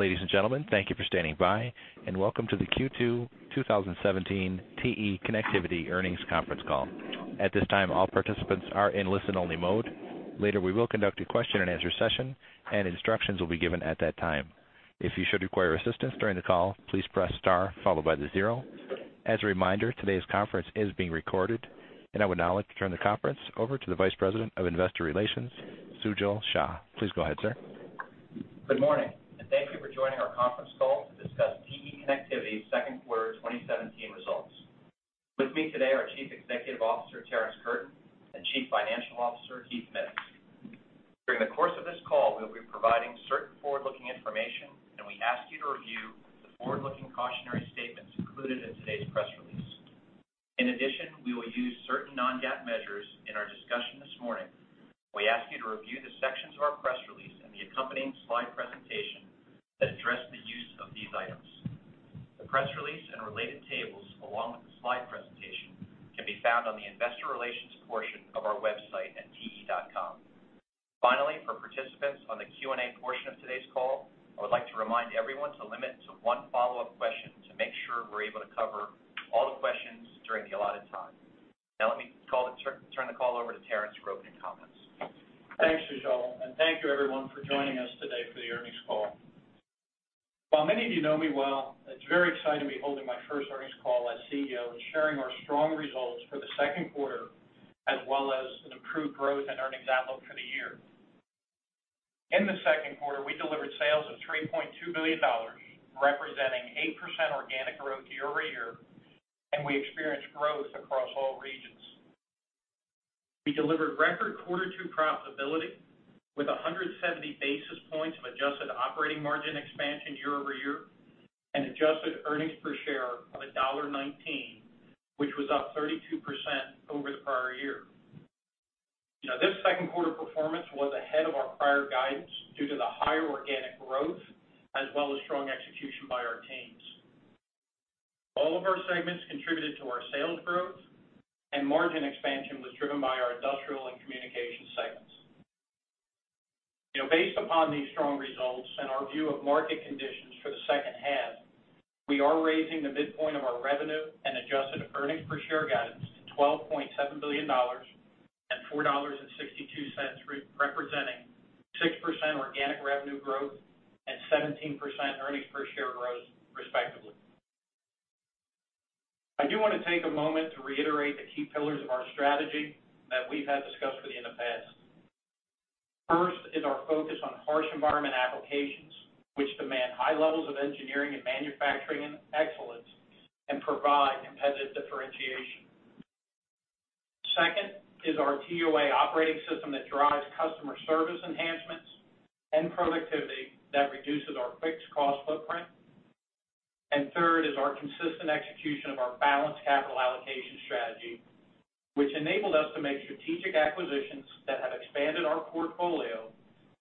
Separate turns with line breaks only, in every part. Ladies and gentlemen, thank you for standing by, and welcome to the Q2 2017 TE Connectivity Earnings Conference Call. At this time, all participants are in listen-only mode. Later, we will conduct a question-and-answer session, and instructions will be given at that time. If you should require assistance during the call, please press star followed by the zero. As a reminder, today's conference is being recorded, and I would now like to turn the conference over to the Vice President of Investor Relations, Sujal Shah. Please go ahead, sir.
Good morning, and thank you for joining our conference call to discuss TE Connectivity's Second Quarter 2017 results. With me today are Chief Executive Officer Terrence Curtin and Chief Financial Officer Heath Mitts. During the course of this call, we'll be providing certain forward-looking information, and we ask you to review the forward-looking cautionary statements included in today's press release. In addition, we will use certain non-GAAP measures in our discussion this morning. We ask you to review the sections of our press release and the accompanying slide presentation that address the use of these items. The press release and related tables, along with the slide presentation, can be found on the Investor Relations portion of our website at te.com. Finally, for participants on the Q&A portion of today's call, I would like to remind everyone to limit to one follow-up question to make sure we're able to cover all the questions during the allotted time. Now, let me turn the call over to Terrence for opening comments.
Thanks, Sujal, and thank you, everyone, for joining us today for the earnings call. While many of you know me well, it's very exciting to be holding my first earnings call as CEO and sharing our strong results for the second quarter, as well as an improved growth and earnings outlook for the year. In the second quarter, we delivered sales of $3.2 billion, representing 8% organic growth year-over-year, and we experienced growth across all regions. We delivered record quarter-two profitability with 170 basis points of adjusted operating margin expansion year-over-year and adjusted earnings per share of $1.19, which was up 32% over the prior year. This second quarter performance was ahead of our prior guidance due to the higher organic growth, as well as strong execution by our teams. All of our segments contributed to our sales growth, and margin expansion was driven by our Industrial and Communications segments. Based upon these strong results and our view of market conditions for the second half, we are raising the midpoint of our revenue and adjusted earnings per share guidance to $12.7 billion and $4.62, representing 6% organic revenue growth and 17% earnings per share growth, respectively. I do want to take a moment to reiterate the key pillars of our strategy that we've had discussed with you in the past. First is our focus on harsh environment applications, which demand high levels of engineering and manufacturing excellence and provide competitive differentiation. Second is our TEOA operating system that drives customer service enhancements and productivity that reduces our fixed cost footprint. And third is our consistent execution of our balanced capital allocation strategy, which enabled us to make strategic acquisitions that have expanded our portfolio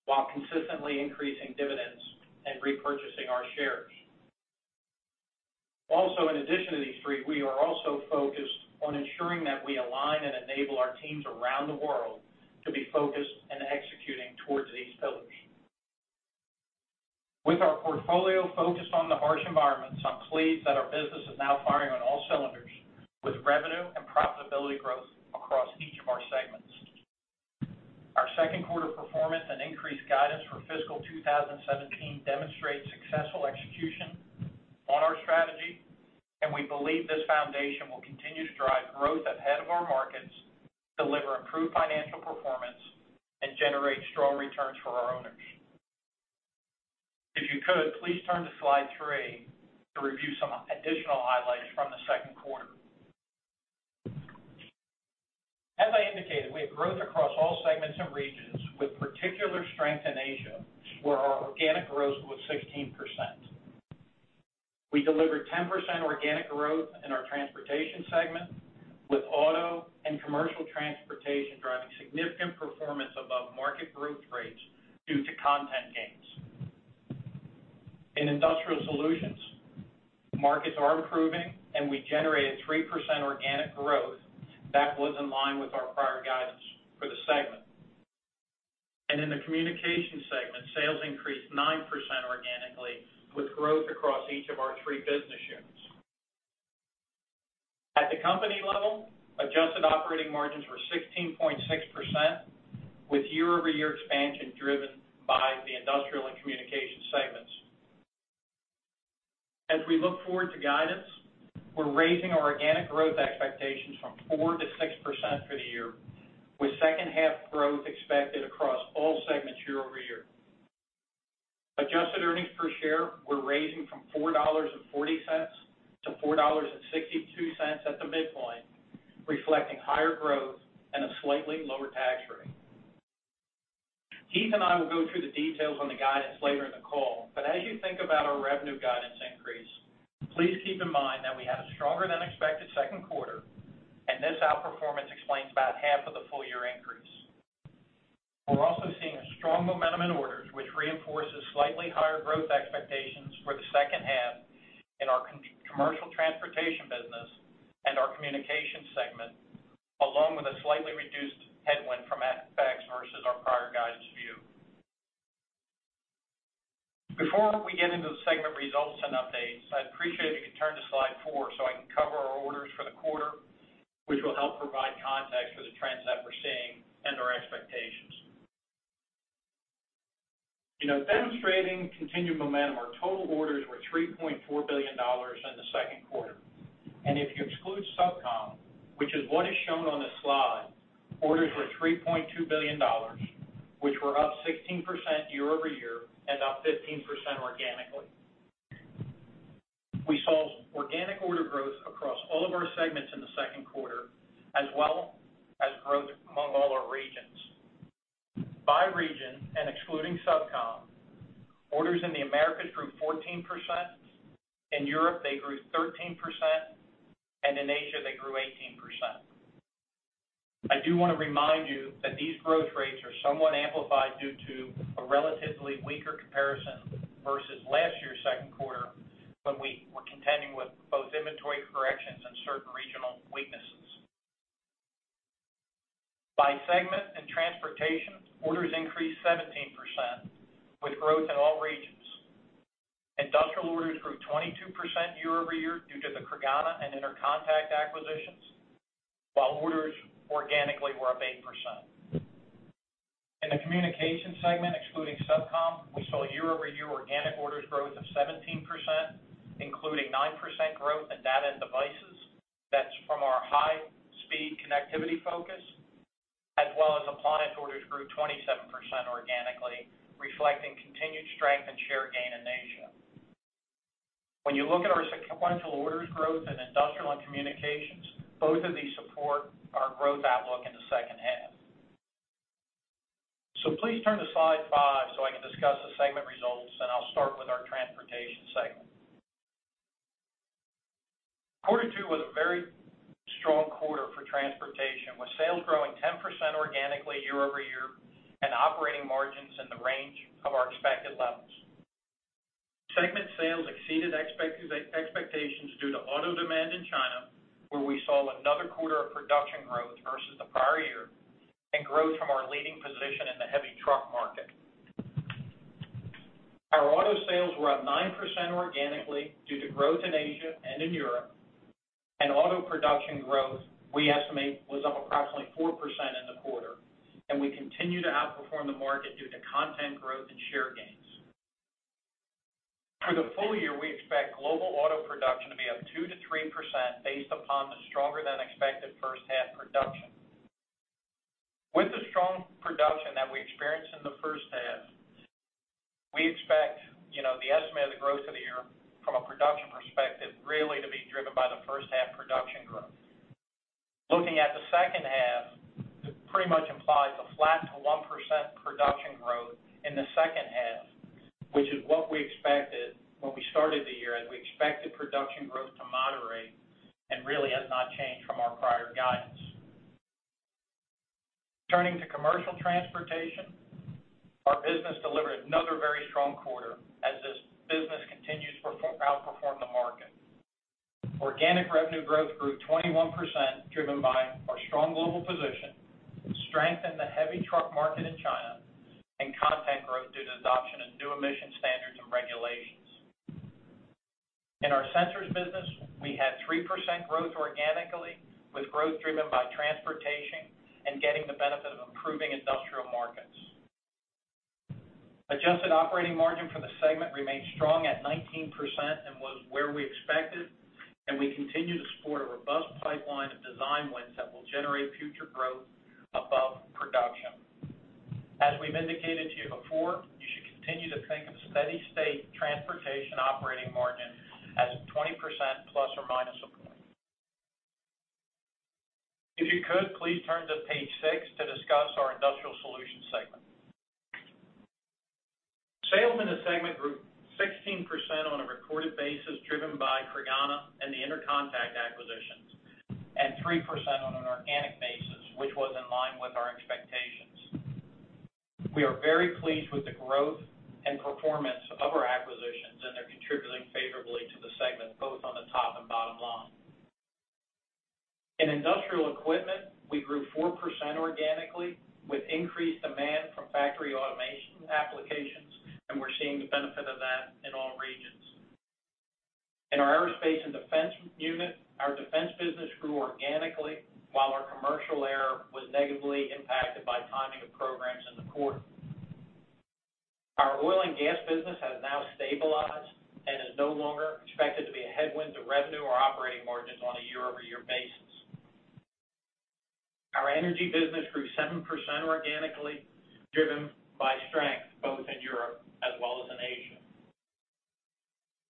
while consistently increasing dividends and repurchasing our shares. Also, in addition to these three, we are also focused on ensuring that we align and enable our teams around the world to be focused and executing towards these pillars. With our portfolio focused on the harsh environment, I'm pleased that our business is now firing on all cylinders with revenue and profitability growth across each of our segments. Our second quarter performance and increased guidance for fiscal 2017 demonstrate successful execution on our strategy, and we believe this foundation will continue to drive growth ahead of our markets, deliver improved financial performance, and generate strong returns for our owners. If you could, please turn to slide three to review some additional highlights from the second quarter. As I indicated, we have growth across all segments and regions, with particular strength in Asia, where our organic growth was 16%. We delivered 10% organic growth in our Transportation segment, with Auto and Commercial Transportation driving significant performance above market growth rates due to content gains. In Industrial Solutions, markets are improving, and we generated 3% organic growth that was in line with our prior guidance for the segment. In the Communications segment, sales increased 9% organically, with growth across each of our three business units. At the company level, adjusted operating margins were 16.6%, with year-over-year expansion driven by the Industrial and Communications segments. As we look forward to guidance, we're raising our organic growth expectations from 4%-6% for the year, with second-half growth expected across all segments year-over-year. Adjusted earnings per share, we're raising from $4.40 to $4.62 at the midpoint, reflecting higher growth and a slightly lower tax rate. Heath and I will go through the details on the guidance later in the call, but as you think about our revenue guidance increase, please keep in mind that we had a stronger-than-expected second quarter, and this outperformance explains about half of the full-year increase. We're also seeing a strong momentum in orders, which reinforces slightly higher growth expectations for the second half in our commercial Transportation business and our Communications segment, along with a slightly reduced headwind from add-backs versus our prior guidance view. Before we get into the segment results and updates, I'd appreciate it if you could turn to slide four so I can cover our orders for the quarter, which will help provide context for the trends that we're seeing and our expectations. Demonstrating continued momentum, our total orders were $3.4 billion in the second quarter. If you exclude SubCom, which is what is shown on this slide, orders were $3.2 billion, which were up 16% year-over-year and up 15% organically. We saw organic order growth across all of our segments in the second quarter, as well as growth among all our regions. By region and excluding SubCom, orders in the Americas grew 14%. In Europe, they grew 13%, and in Asia, they grew 18%. I do want to remind you that these growth rates are somewhat amplified due to a relatively weaker comparison versus last year's second quarter when we were contending with both inventory corrections and certain regional weaknesses. By segment and transportation, orders increased 17%, with growth in all regions. Industrial orders grew 22% year-over-year due to the Creganna and Intercontec acquisitions, while orders organically were up 8%. In the Communications segment, excluding SubCom, we saw year-over-year organic orders growth of 17%, including 9% growth in Data and Devices. That's from our high-speed connectivity focus, as well as Appliance orders grew 27% organically, reflecting continued strength and share gain in Asia. When you look at our sequential orders growth in Industrial and Communications, both of these support our growth outlook in the second half. Please turn to slide five so I can discuss the segment results, and I'll start with our Transportation segment. Quarter two was a very strong quarter for Transportation, with sales growing 10% organically year-over-year and operating margins in the range of our expected levels. Segment sales exceeded expectations due to Auto demand in China, where we saw another quarter of production growth versus the prior year and growth from our leading position in the heavy truck market. Our Auto sales were up 9% organically due to growth in Asia and in Europe, and Auto production growth, we estimate, was up approximately 4% in the quarter, and we continue to outperform the market due to content growth and share gains. For the full year, we expect global Auto production to be up 2%-3% based upon the stronger-than-expected first-half production. With the strong production that we experienced in the first half, we expect the estimate of the growth of the year from a production perspective really to be driven by the first-half production growth. Looking at the second half, it pretty much implies a flat 1% production growth in the second half, which is what we expected when we started the year, as we expected production growth to moderate and really has not changed from our prior guidance. Turning to Commercial Transportation, our business delivered another very strong quarter as this business continues to outperform the market. Organic revenue growth grew 21%, driven by our strong global position, strength in the heavy truck market in China, and content growth due to adoption of new emission standards and regulations. In our Sensors business, we had 3% growth organically, with growth driven by transportation and getting the benefit of improving Industrial markets. Adjusted operating margin for the segment remained strong at 19% and was where we expected, and we continue to support a robust pipeline of design wins that will generate future growth above production. As we've indicated to you before, you should continue to think of steady-state transportation operating margin as 20% ± a point. If you could, please turn to page six to discuss our Industrial Solutions segment. Sales in the segment grew 16% on a reported basis, driven by Creganna and the Intercontec acquisitions, and 3% on an organic basis, which was in line with our expectations. We are very pleased with the growth and performance of our acquisitions and their contributing favorably to the segment, both on the top and bottom line. In Industrial Equipment, we grew 4% organically, with increased demand from factory Automation applications, and we're seeing the benefit of that in all regions. In our Aerospace and Defense unit, our Defense business grew organically, while our Commercial Air was negatively impacted by timing of programs in the quarter. Our Oil and Gas business has now stabilized and is no longer expected to be a headwind to revenue or operating margins on a year-over-year basis. Our Energy business grew 7% organically, driven by strength both in Europe as well as in Asia.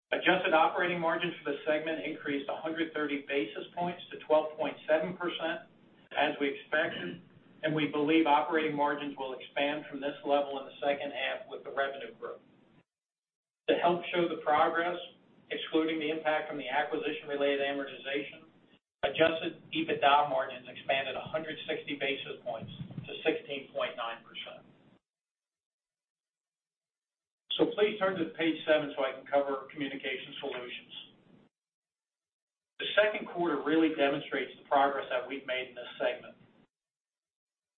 Adjusted operating margins for the segment increased 130 basis points to 12.7%, as we expected, and we believe operating margins will expand from this level in the second half with the revenue growth. To help show the progress, excluding the impact from the acquisition-related amortization, adjusted EBITDA margins expanded 160 basis points to 16.9%. So please turn to page seven so I can cover Communications Solutions. The second quarter really demonstrates the progress that we've made in this segment.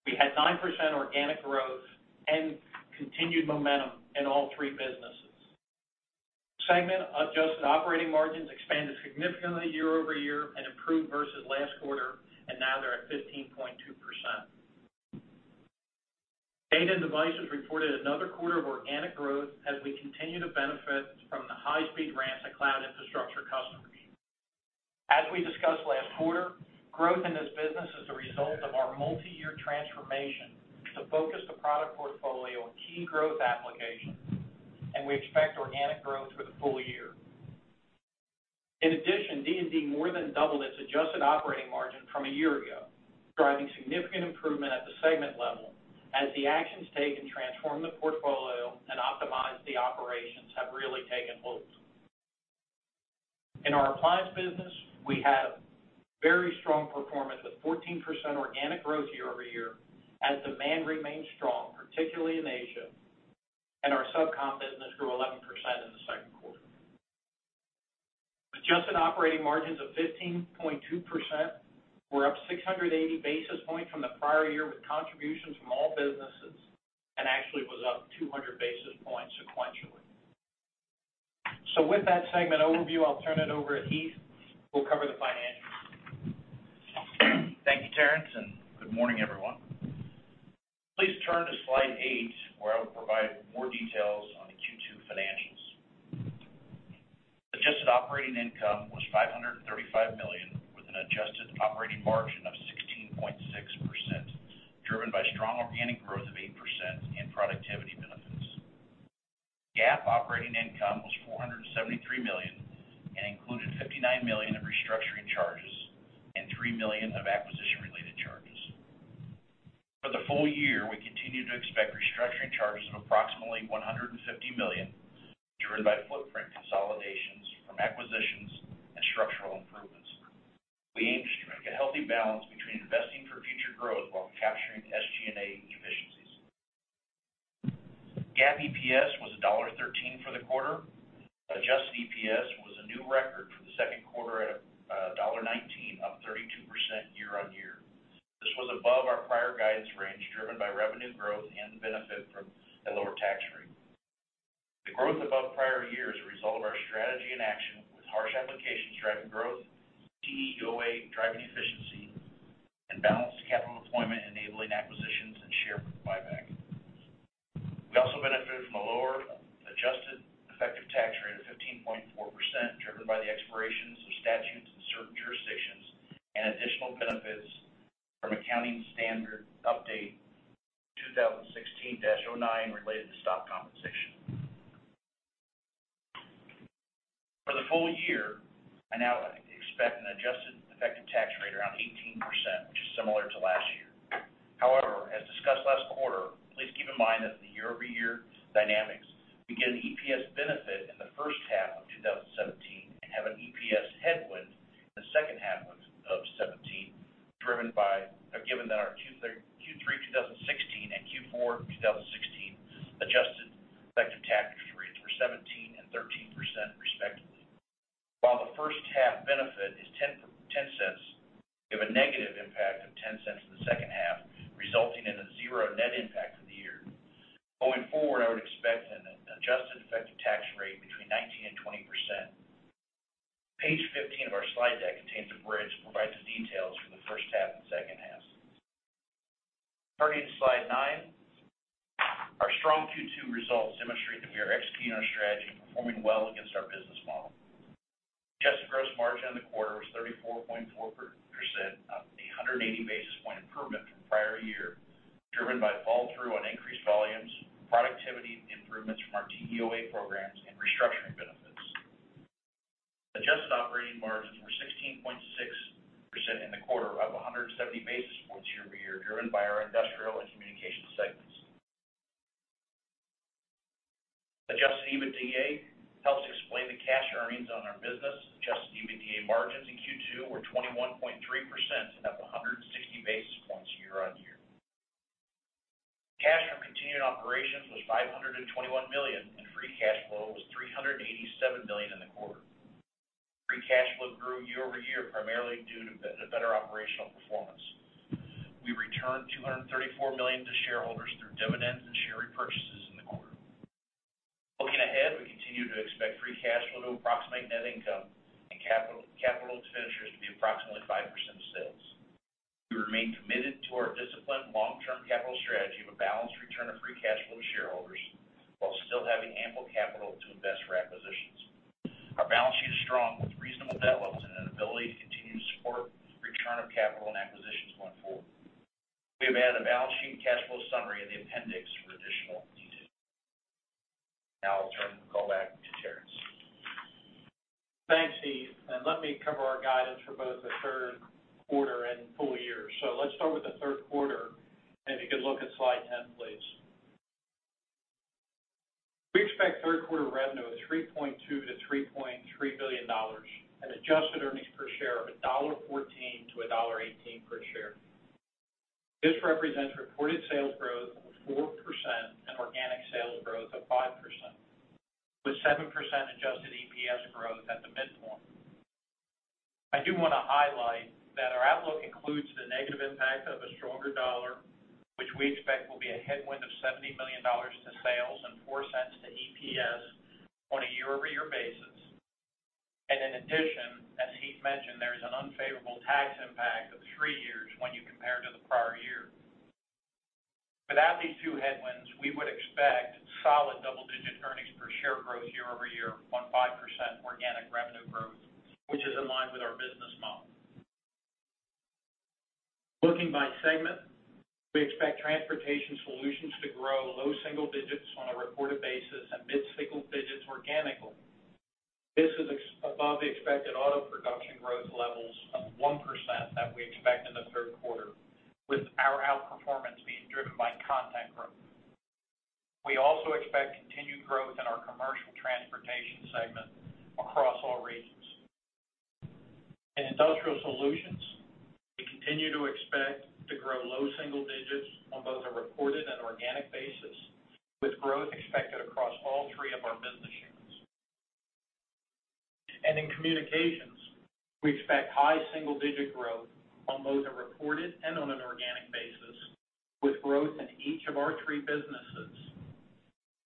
We had 9% organic growth and continued momentum in all three businesses. Segment adjusted operating margins expanded significantly year-over-year and improved versus last quarter, and now they're at 15.2%. Data and Devices reported another quarter of organic growth as we continue to benefit from the high-speed ramp to cloud infrastructure customers. As we discussed last quarter, growth in this business is the result of our multi-year transformation to focus the product portfolio on key growth applications, and we expect organic growth for the full year. In addition, D&D more than doubled its adjusted operating margin from a year ago, driving significant improvement at the segment level as the actions taken transform the portfolio and optimize the operations have really taken hold. In our Appliance business, we had very strong performance with 14% organic growth year-over-year as demand remained strong, particularly in Asia, and our SubCom business grew 11% in the second quarter. Adjusted operating margins of 15.2% were up 680 basis points from the prior year with contributions from all businesses and actually was up 200 basis points sequentially. So with that segment overview, I'll turn it over to Heath. We'll cover the financials.
Thank you, Terrence, and good morning, everyone. Please turn to slide 8, where I will provide more details on the Q2 financials. Adjusted operating income was $535 million, with an adjusted operating margin of 16.6%, driven by strong organic growth of 8% and productivity benefits. GAAP operating income was $473 million and included $59 million of restructuring charges and $3 million of acquisition-related charges. For the full year, we continue to expect restructuring charges of approximately $150 million, driven by footprint consolidations from acquisitions and structural improvements. We aim to strike a healthy balance between investing for future growth while capturing SG&A efficiencies. GAAP EPS was $1.13 for the quarter. Adjusted EPS was a new record for the second quarter at $1.19, up 32% year-on-year. This was above our prior guidance range, driven by revenue growth and the benefit from the lower tax rate. The growth above prior years is a result of our strategy in action with harsh applications driving growth, TEOA driving efficiency, and balanced capital deployment enabling acquisitions and share buyback. We also benefited from a lower adjusted effective tax rate of 15.4%, driven by the expirations of statutes in certain jurisdictions and additional benefits from Accounting Standard Update 2016-09 related to stock compensation. For the full year, I now expect an adjusted effective tax rate around 18%, which is similar to last year. However, as discussed last quarter, please keep in mind that in the year-over-year dynamics, we get an EPS benefit in the first half of 2017 and have an EPS headwind in the second half of 2017, driven by, given that our Q3 2016 and Q4 2016 adjusted effective tax rates were 17% and 13% respectively. While the first-half benefit is $0.10, we have a negative impact of $0.10 in the second half, resulting in a zero net impact for the year. Going forward, I would expect an adjusted effective tax rate between 19% and 20%. Page 15 of our slide deck contains a bridge that provides the details for the first half and second half. Turning to slide 9, our strong Q2 results demonstrate that we are executing our strategy and performing well against our business model. Adjusted gross margin in the quarter was 34.4%, up 180 basis points improvement from prior year, driven by fall-through on increased volumes, productivity improvements from our TEOA programs, and restructuring benefits. Adjusted operating margins were 16.6% in the quarter, up 170 basis points year-over-year, driven by our Industrial and Communications segments. Adjusted EBITDA helps explain the cash earnings on our business. Adjusted EBITDA margins in Q2 were 21.3%, up 160 basis points year-on-year. Cash from continued operations was $521 million, and free cash flow was $387 million in the quarter. Free cash flow grew year-over-year primarily due to better operational performance. We returned $234 million to shareholders through dividends and share repurchases in the quarter. Looking ahead, we continue to expect free cash flow to approximate net income and capital expenditures to be approximately 5% of sales. We remain committed to our disciplined long-term capital strategy of a balanced return of free cash flow to shareholders while still having ample capital to invest for acquisitions. Our balance sheet is strong with reasonable debt levels and an ability to continue to support return of capital and acquisitions going forward. We have added a balance sheet and cash flow summary in the appendix for additional detail. Now I'll turn the call back to Terrence.
Thanks, Heath. Let me cover our guidance for both the third quarter and full year. Let's start with the third quarter. If you could look at slide 10, please. We expect third-quarter revenue of $3.2-$3.3 billion and adjusted earnings per share of $1.14-$1.18 per share. This represents reported sales growth of 4% and organic sales growth of 5%, with 7% adjusted EPS growth at the midpoint. I do want to highlight that our outlook includes the negative impact of a stronger dollar, which we expect will be a headwind of $70 million to sales and $0.04 to EPS on a year-over-year basis. In addition, as Heath mentioned, there is an unfavorable tax impact of three cents when you compare to the prior year. Without these two headwinds, we would expect solid double-digit earnings per share growth year-over-year on 5% organic revenue growth, which is in line with our business model. Looking by segment, we expect Transportation Solutions to grow low single digits on a reported basis and mid-single digits organically. This is above the expected Auto production growth levels of 1% that we expect in the third quarter, with our outperformance being driven by content growth. We also expect continued growth in our Commercial Transportation segment across all regions. In Industrial Solutions, we continue to expect to grow low single digits on both a reported and organic basis, with growth expected across all three of our business units. And in Communications, we expect high single-digit growth on both a reported and on an organic basis, with growth in each of our three businesses.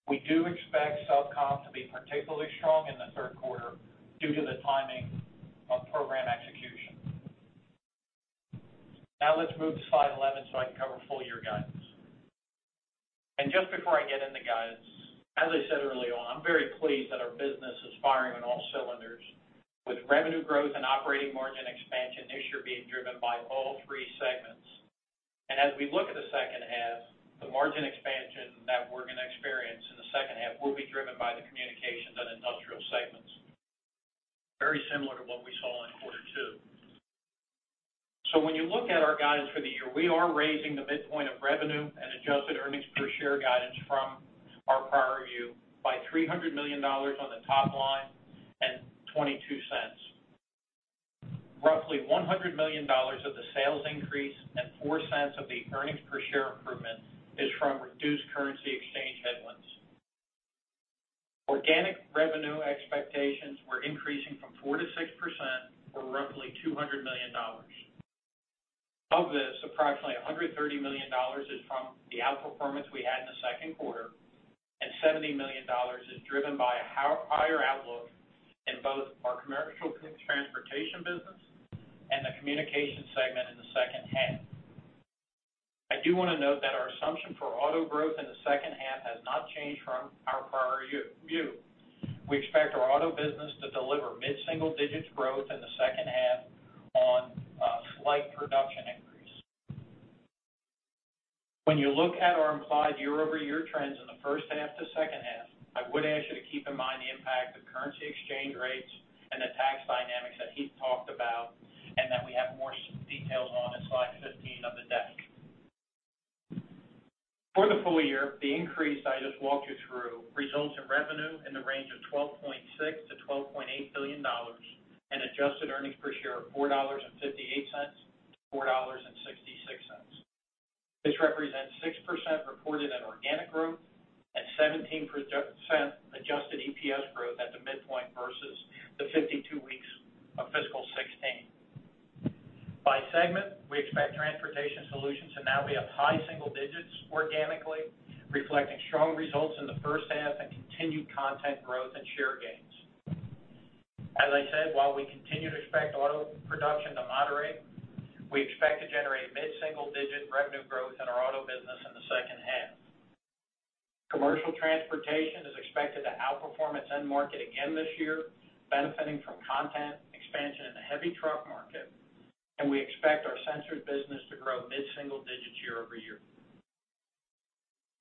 We do expect SubCom to be particularly strong in the third quarter due to the timing of program execution. Now let's move to slide 11 so I can cover full-year guidance. Just before I get into guidance, as I said early on, I'm very pleased that our business is firing on all cylinders, with revenue growth and operating margin expansion this year being driven by all three segments. As we look at the second half, the margin expansion that we're going to experience in the second half will be driven by the Communications and Industrial segments, very similar to what we saw in quarter two. When you look at our guidance for the year, we are raising the midpoint of revenue and adjusted earnings per share guidance from our prior year by $300 million on the top line and $0.22. Roughly $100 million of the sales increase and $0.04 of the earnings per share improvement is from reduced currency exchange headwinds. Organic revenue expectations were increasing from 4%-6% for roughly $200 million. Of this, approximately $130 million is from the outperformance we had in the second quarter, and $70 million is driven by a higher outlook in both our Commercial Transportation business and the Communications segment in the second half. I do want to note that our assumption for Auto growth in the second half has not changed from our prior year. We expect our Auto business to deliver mid-single-digit growth in the second half on a slight production increase. When you look at our implied year-over-year trends in the first half to second half, I would ask you to keep in mind the impact of currency exchange rates and the tax dynamics that Heath talked about and that we have more details on in slide 15 of the deck. For the full year, the increase I just walked you through results in revenue in the range of $12.6-$12.8 billion and adjusted earnings per share of $4.58-$4.66. This represents 6% reported in organic growth and 17% adjusted EPS growth at the midpoint versus the 52 weeks of fiscal 2016. By segment, we expect Transportation Solutions to now be up high single digits organically, reflecting strong results in the first half and continued content growth and share gains. As I said, while we continue to expect Auto production to moderate, we expect to generate mid-single digit revenue growth in our Auto business in the second half. Commercial Transportation is expected to outperform its end market again this year, benefiting from content expansion in the heavy truck market, and we expect our Sensors business to grow mid-single digits year-over-year.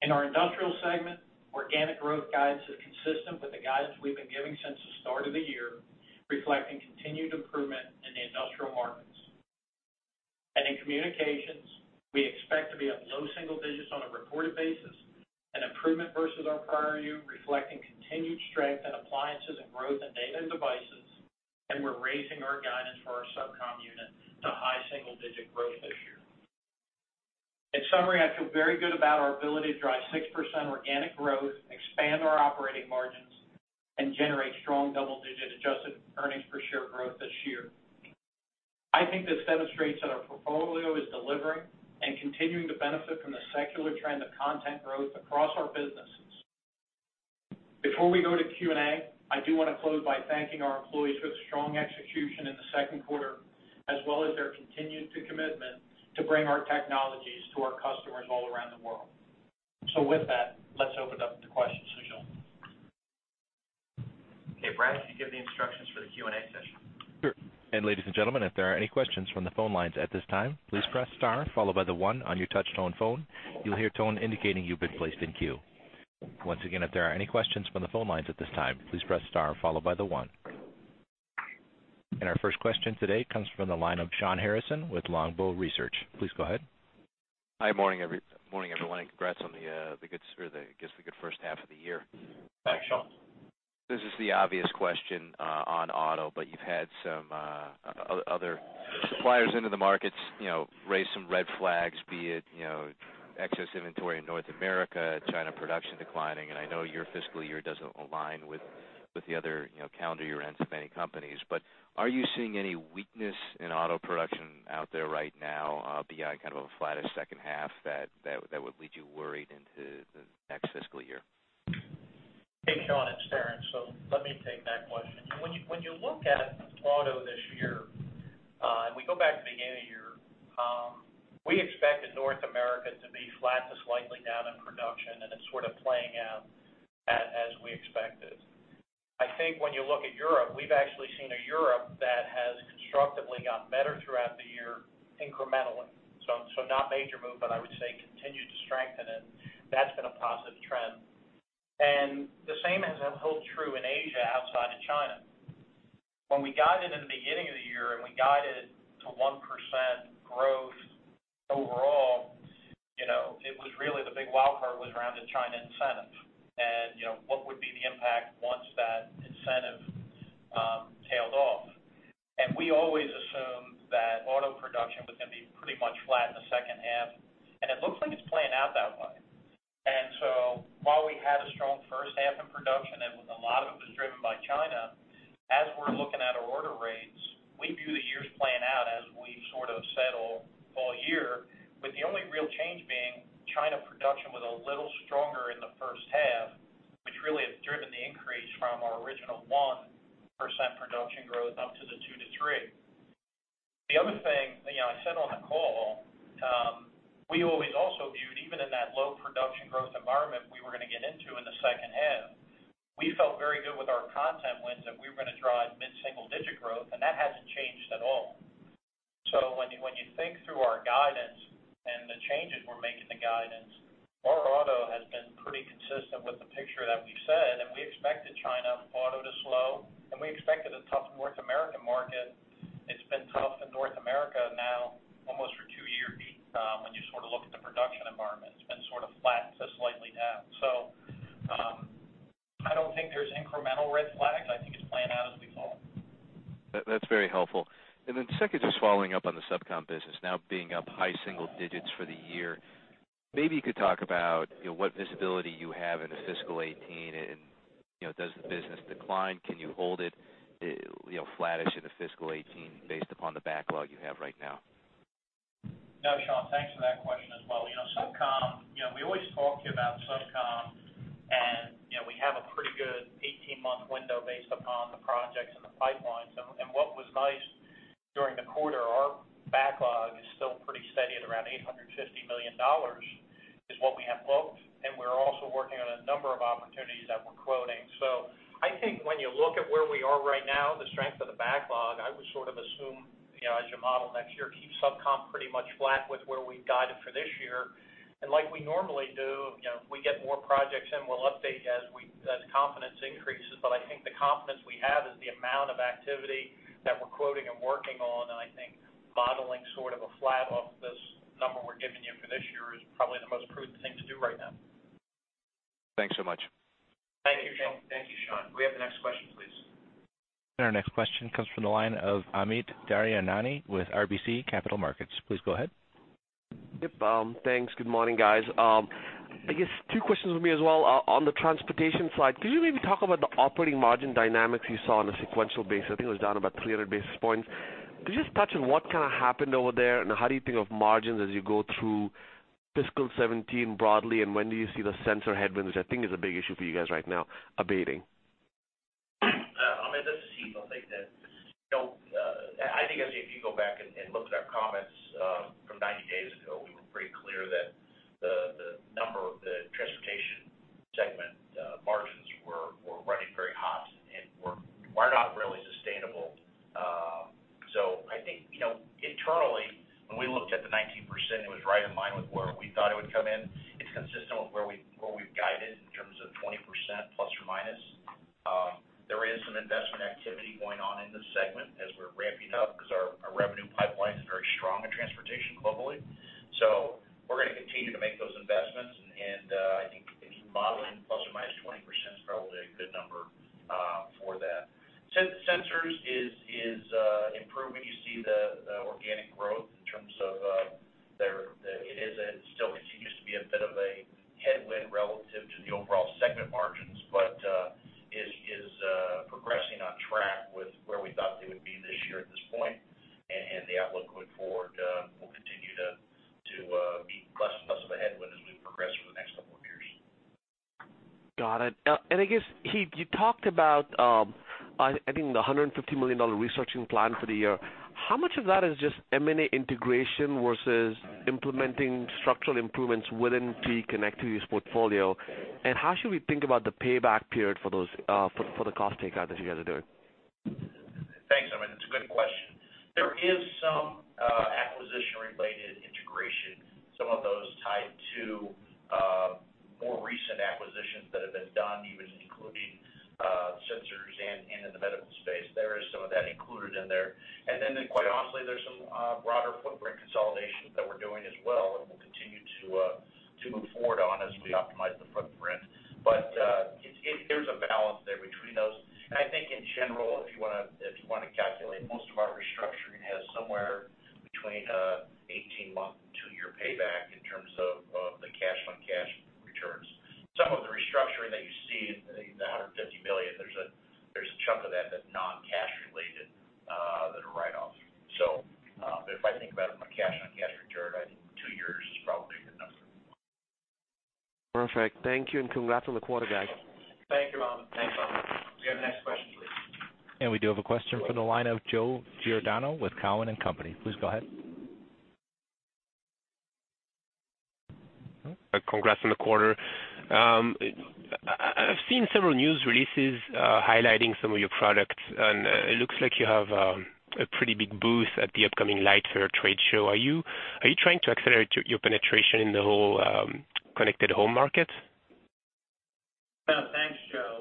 In our Industrial segment, organic growth guidance is consistent with the guidance we've been giving since the start of the year, reflecting continued improvement in the Industrial markets. In Communications, we expect to be up low single digits on a reported basis, an improvement versus our prior year, reflecting continued strength in Appliances and growth in Data and Devices, and we're raising our guidance for our SubCom unit to high single digit growth this year. In summary, I feel very good about our ability to drive 6% organic growth, expand our operating margins, and generate strong double-digit adjusted earnings per share growth this year. I think this demonstrates that our portfolio is delivering and continuing to benefit from the secular trend of content growth across our businesses. Before we go to Q&A, I do want to close by thanking our employees for the strong execution in the second quarter, as well as their continued commitment to bring our technologies to our customers all around the world. So with that, let's open it up to questions and results.
Okay, Brent, you give the instructions for the Q&A session.
Sure. Ladies and gentlemen, if there are any questions from the phone lines at this time, please press star followed by the one on your touch-tone phone. You'll hear a tone indicating you've been placed in queue. Once again, if there are any questions from the phone lines at this time, please press star followed by the one. Our first question today comes from the line of Shawn Harrison with Longbow Research. Please go ahead.
Hi, morning everyone, and congrats on the good first half of the year. Thanks, Shawn. This is the obvious question on Auto, but you've had some other suppliers into the markets raise some red flags, be it excess inventory in North America, China production declining, and I know your fiscal year doesn't align with the other calendar year ends of many companies. But are you seeing any weakness in Auto production out there right now beyond kind of a flatter second half that would lead you worried into the next fiscal year?
Hey, Shawn, it's Terrence, so let me take that question. When you look at Auto this year, and we go back to the beginning of the year, we expected North America to be flat to slightly down in production, and it's sort of playing out as we expected. I think when you look at Europe, we've actually seen a Europe that has constructively gotten better throughout the year incrementally. So not major move, but I would say continued to strengthen, and that's been a positive trend. And the same has held true in Asia outside of China. When we guided in the beginning of the year and we guided to 1% growth overall, it was really the big wild card was around the China incentive and what would be the impact once that incentive tailed off. We always assumed that Auto production was going to be pretty much flat in the second half, and it looks like it's playing out that way. So while we had a strong first half in production and a lot of it was driven by China, as we're looking at our order rates, we view the year's playing out as we sort of settle all year, with the only real change being China production was a little stronger in the first half, which really has driven the increase from our original 1% production growth up to the 2%-3%. The other thing I said on the call, we always also viewed even in that low production growth environment we were going to get into in the second half, we felt very good with our content wins that we were going to drive mid-single digit growth, and that hasn't changed at all. So when you think through our guidance and the changes we're making to guidance, our Auto has been pretty consistent with the picture that we've said, and we expected China Auto to slow, and we expected a tough North American market. It's been tough in North America now almost for two years when you sort of look at the production environment. It's been sort of flat to slightly down. So I don't think there's incremental red flags. I think it's playing out as we saw.
That's very helpful. Second, just following up on the SubCom business, now being up high single digits for the year, maybe you could talk about what visibility you have in the fiscal 2018, and does the business decline? Can you hold it flattish in the fiscal 2018 based upon the backlog you have right now?
Yeah, Shawn, thanks for that question as well. SubCom, we always talk to you about SubCom, and we have a pretty good 18-month window based upon the projects and the pipelines. And what was nice during the quarter, our backlog is still pretty steady at around $850 million is what we have booked, and we're also working on a number of opportunities that we're quoting. So I think when you look at where we are right now, the strength of the backlog, I would sort of assume as your model next year, keep SubCom pretty much flat with where we guided for this year. And like we normally do, we get more projects in, we'll update as confidence increases, but I think the confidence we have is the amount of activity that we're quoting and working on, and I think modeling sort of a flat off this number we're giving you for this year is probably the most prudent thing to do right now.
Thanks so much.
Thank you, Shawn.
Thank you, Shawn. We have the next question, please?
And our next question comes from the line of Amit Daryanani with RBC Capital Markets. Please go ahead.
Yep, thanks. Good morning, guys. I guess two questions for me as well on the Transportation side. Could you maybe talk about the operating margin dynamics you saw on a sequential basis? I think it was down about 300 basis points. Could you just touch on what kind of happened over there, and how do you think of margins as you go through fiscal 2017 broadly, and when do you see the sensor headwinds, which I think is a big issue for you guys right now, abating?
Amit, this is Heath. I'll take that. I think if you go back and look at our comments from 90 days ago, we were pretty clear that the Transportation segment margins were running very hot and were not really sustainable. So I think internally, when we looked at the 19%, it was right in line with where we thought it would come in. It's consistent with where we've guided in terms of 20% plus or minus. There is some investment activity going on in the segment as we're ramping up because our revenue pipeline is very strong in Transportation globally. So we're going to continue to make those investments, and I think modeling ±20% is probably a good number for that. Sensors is improving. You see the organic growth in terms of it still continues to be a bit of a headwind relative to the overall segment margins, but is progressing on track with where we thought they would be this year at this point, and the outlook going forward will continue to be less and less of a headwind as we progress over the next couple of years.
Got it. And I guess, Heath, you talked about, I think, the $150 million restructuring plan for the year. How much of that is just M&A integration versus implementing structural improvements within TE Connectivity's portfolio? And how should we think about the payback period for the cost takeout that you guys are doing?
Thanks, Amit. That's a good question. There is some acquisition-related integration, some of those tied to more recent acquisitions that have been done, even including Sensors and in the medical space. There is some of that included in there. And then quite honestly, there's some broader footprint consolidation that we're doing as well, and we'll continue to move forward on as we optimize the footprint. But there's a balance there between those. And I think in general, if you want to calculate, most of our restructuring has somewhere between 18-month and 2-year payback in terms of the cash-on-cash returns. Some of the restructuring that you see, the $150 million, there's a chunk of that that's non-cash related that are write-offs. So if I think about it from a cash-on-cash return, I think 2 years is probably a good number.
Perfect. Thank you, and congrats on the quarter, guys.
Thank you, Amit.
Thanks, Amit.
We have the next question, please.
And we do have a question from the line of Joe Giordano with Cowen and Company. Please go ahead.
Congrats on the quarter. I've seen several news releases highlighting some of your products, and it looks like you have a pretty big booth at the upcoming LightFair trade show. Are you trying to accelerate your penetration in the whole connected home market?
Yeah, thanks, Joe.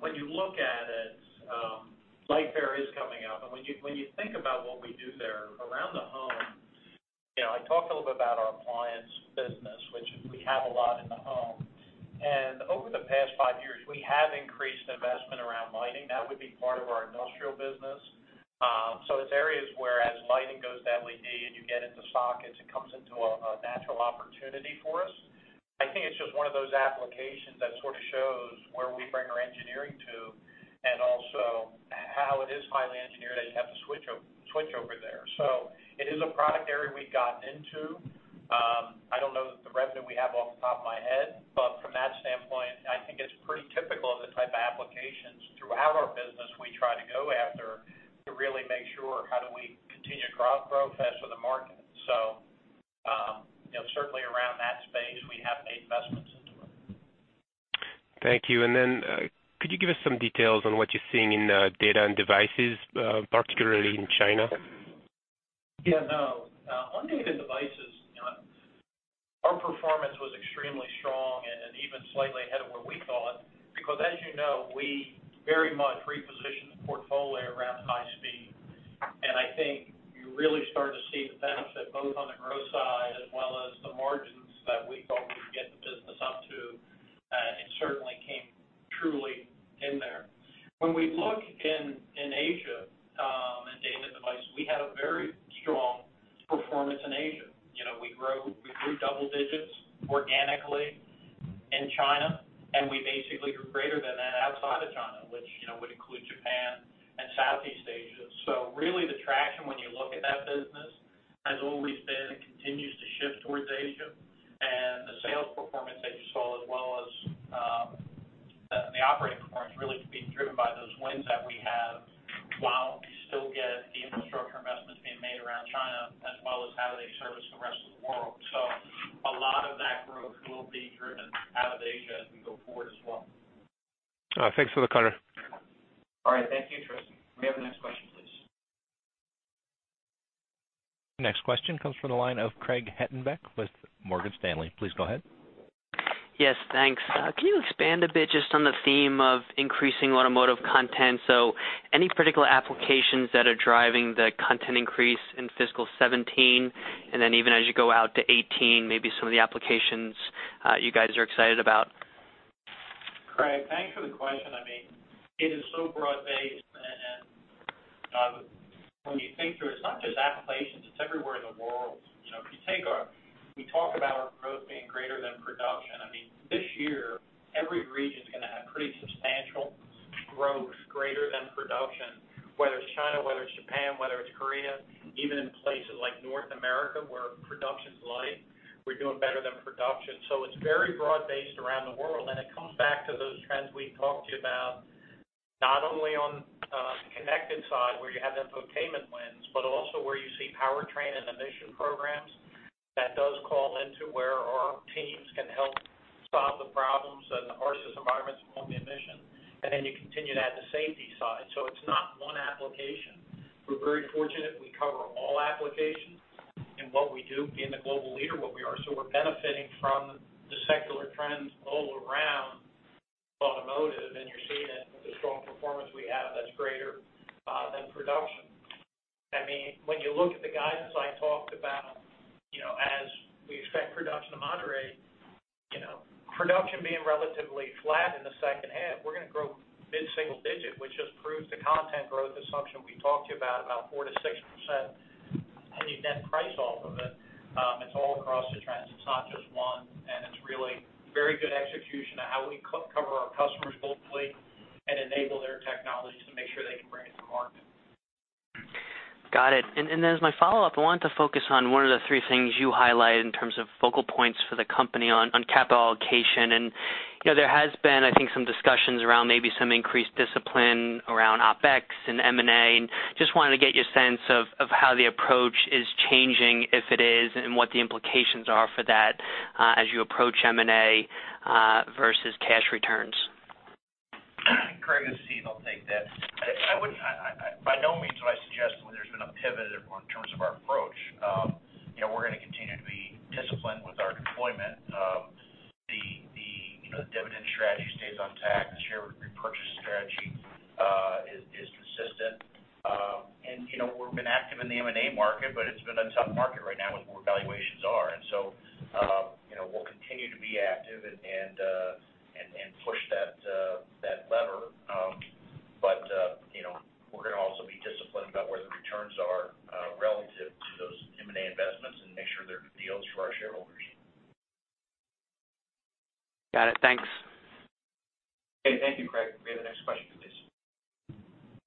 When you look at it, LightFair is coming up. When you think about what we do there around the home, I talked a little bit about our Appliance business, which we have a lot in the home. Over the past five years, we have increased investment around lighting. That would be part of our Industrial business. So it's areas whereas lighting goes LED and you get into sockets, it comes into a natural opportunity for us. I think it's just one of those applications that sort of shows where we bring our engineering to and also how it is highly engineered that you have to switch over there. So it is a product area we've gotten into. I don't know the revenue we have off the top of my head, but from that standpoint, I think it's pretty typical of the type of applications throughout our business we try to go after to really make sure how do we continue to grow fast with the market. So certainly around that space, we have made investments into it.
Thank you. And then could you give us some details on what you're seeing in Data and Devices, particularly in China?
Yeah, no. On Data and Devices, our performance was extremely strong and even slightly ahead of where we thought because, as you know, we very much repositioned the portfolio around high speed. And I think you really started to see the benefit both on the growth side as well as the margins that we thought we'd get the business up to, and it certainly came truly in there. When we look in Asia and Data and Devices, we have a very strong performance in Asia. We grew double digits organically in China, and we basically grew greater than that outside of China, which would include Japan and Southeast Asia. So really the traction when you look at that business has always been and continues to shift towards Asia. And the sales performance that you saw, as well as the operating performance, really to be driven by those wins that we have while we still get the infrastructure investments being made around China as well as how they service the rest of the world. So a lot of that growth will be driven out of Asia as we go forward as well.
Thanks for the question.
All right. Thank you, Terrence. We have the next question, please.
Next question comes from the line of Craig Hettenbach with Morgan Stanley. Please go ahead.
Yes, thanks. Can you expand a bit just on the theme of increasing Automotive content? So any particular applications that are driving the content increase in fiscal 2017, and then even as you go out to 2018, maybe some of the applications you guys are excited about?
Craig, thanks for the question. I mean, it is so broad-based, and when you think through it, it's not just applications. It's everywhere in the world. If you take, we talk about our growth being greater than production. I mean, this year, every region is going to have pretty substantial growth greater than production, whether it's China, whether it's Japan, whether it's Korea, even in places like North America where production's light, we're doing better than production. So it's very broad-based around the world, and it comes back to those trends we talked to you about, not only on the connected side where you have infotainment wins, but also where you see powertrain and emissions programs. That does call into where our teams can help solve the problems and the harshest environments along the emissions, and then you continue to add the safety side. So it's not one application. We're very fortunate we cover all applications, and what we do being the global leader, what we are so we're benefiting from the secular trends all around Automotive, and you're seeing it with the strong performance we have that's greater than production. I mean, when you look at the guidance I talked about, as we expect production to moderate, production being relatively flat in the second half, we're going to grow mid-single-digit, which just proves the content growth assumption we talked to you about, about 4%-6%, and you net price off of it. It's all across the trends. It's not just one, and it's really very good execution of how we cover our customers globally and enable their technologies to make sure they can bring it to market.
Got it. And then as my follow-up, I wanted to focus on one of the three things you highlighted in terms of focal points for the company on capital allocation. And there has been, I think, some discussions around maybe some increased discipline around OpEx and M&A. Just wanted to get your sense of how the approach is changing, if it is, and what the implications are for that as you approach M&A versus cash returns?
Craig, this is Heath. I'll take that. By no means would I suggest there's been a pivot in terms of our approach. We're going to continue to be disciplined with our deployment. The dividend strategy stays on track. The share repurchase strategy is consistent. And we've been active in the M&A market, but it's been a tough market right now with where valuations are. And so we'll continue to be active and push that lever. But we're going to also be disciplined about where the returns are relative to those M&A investments and make sure they're deals for our shareholders.
Got it. Thanks.
Okay. Thank you, Craig. We have the next question, please.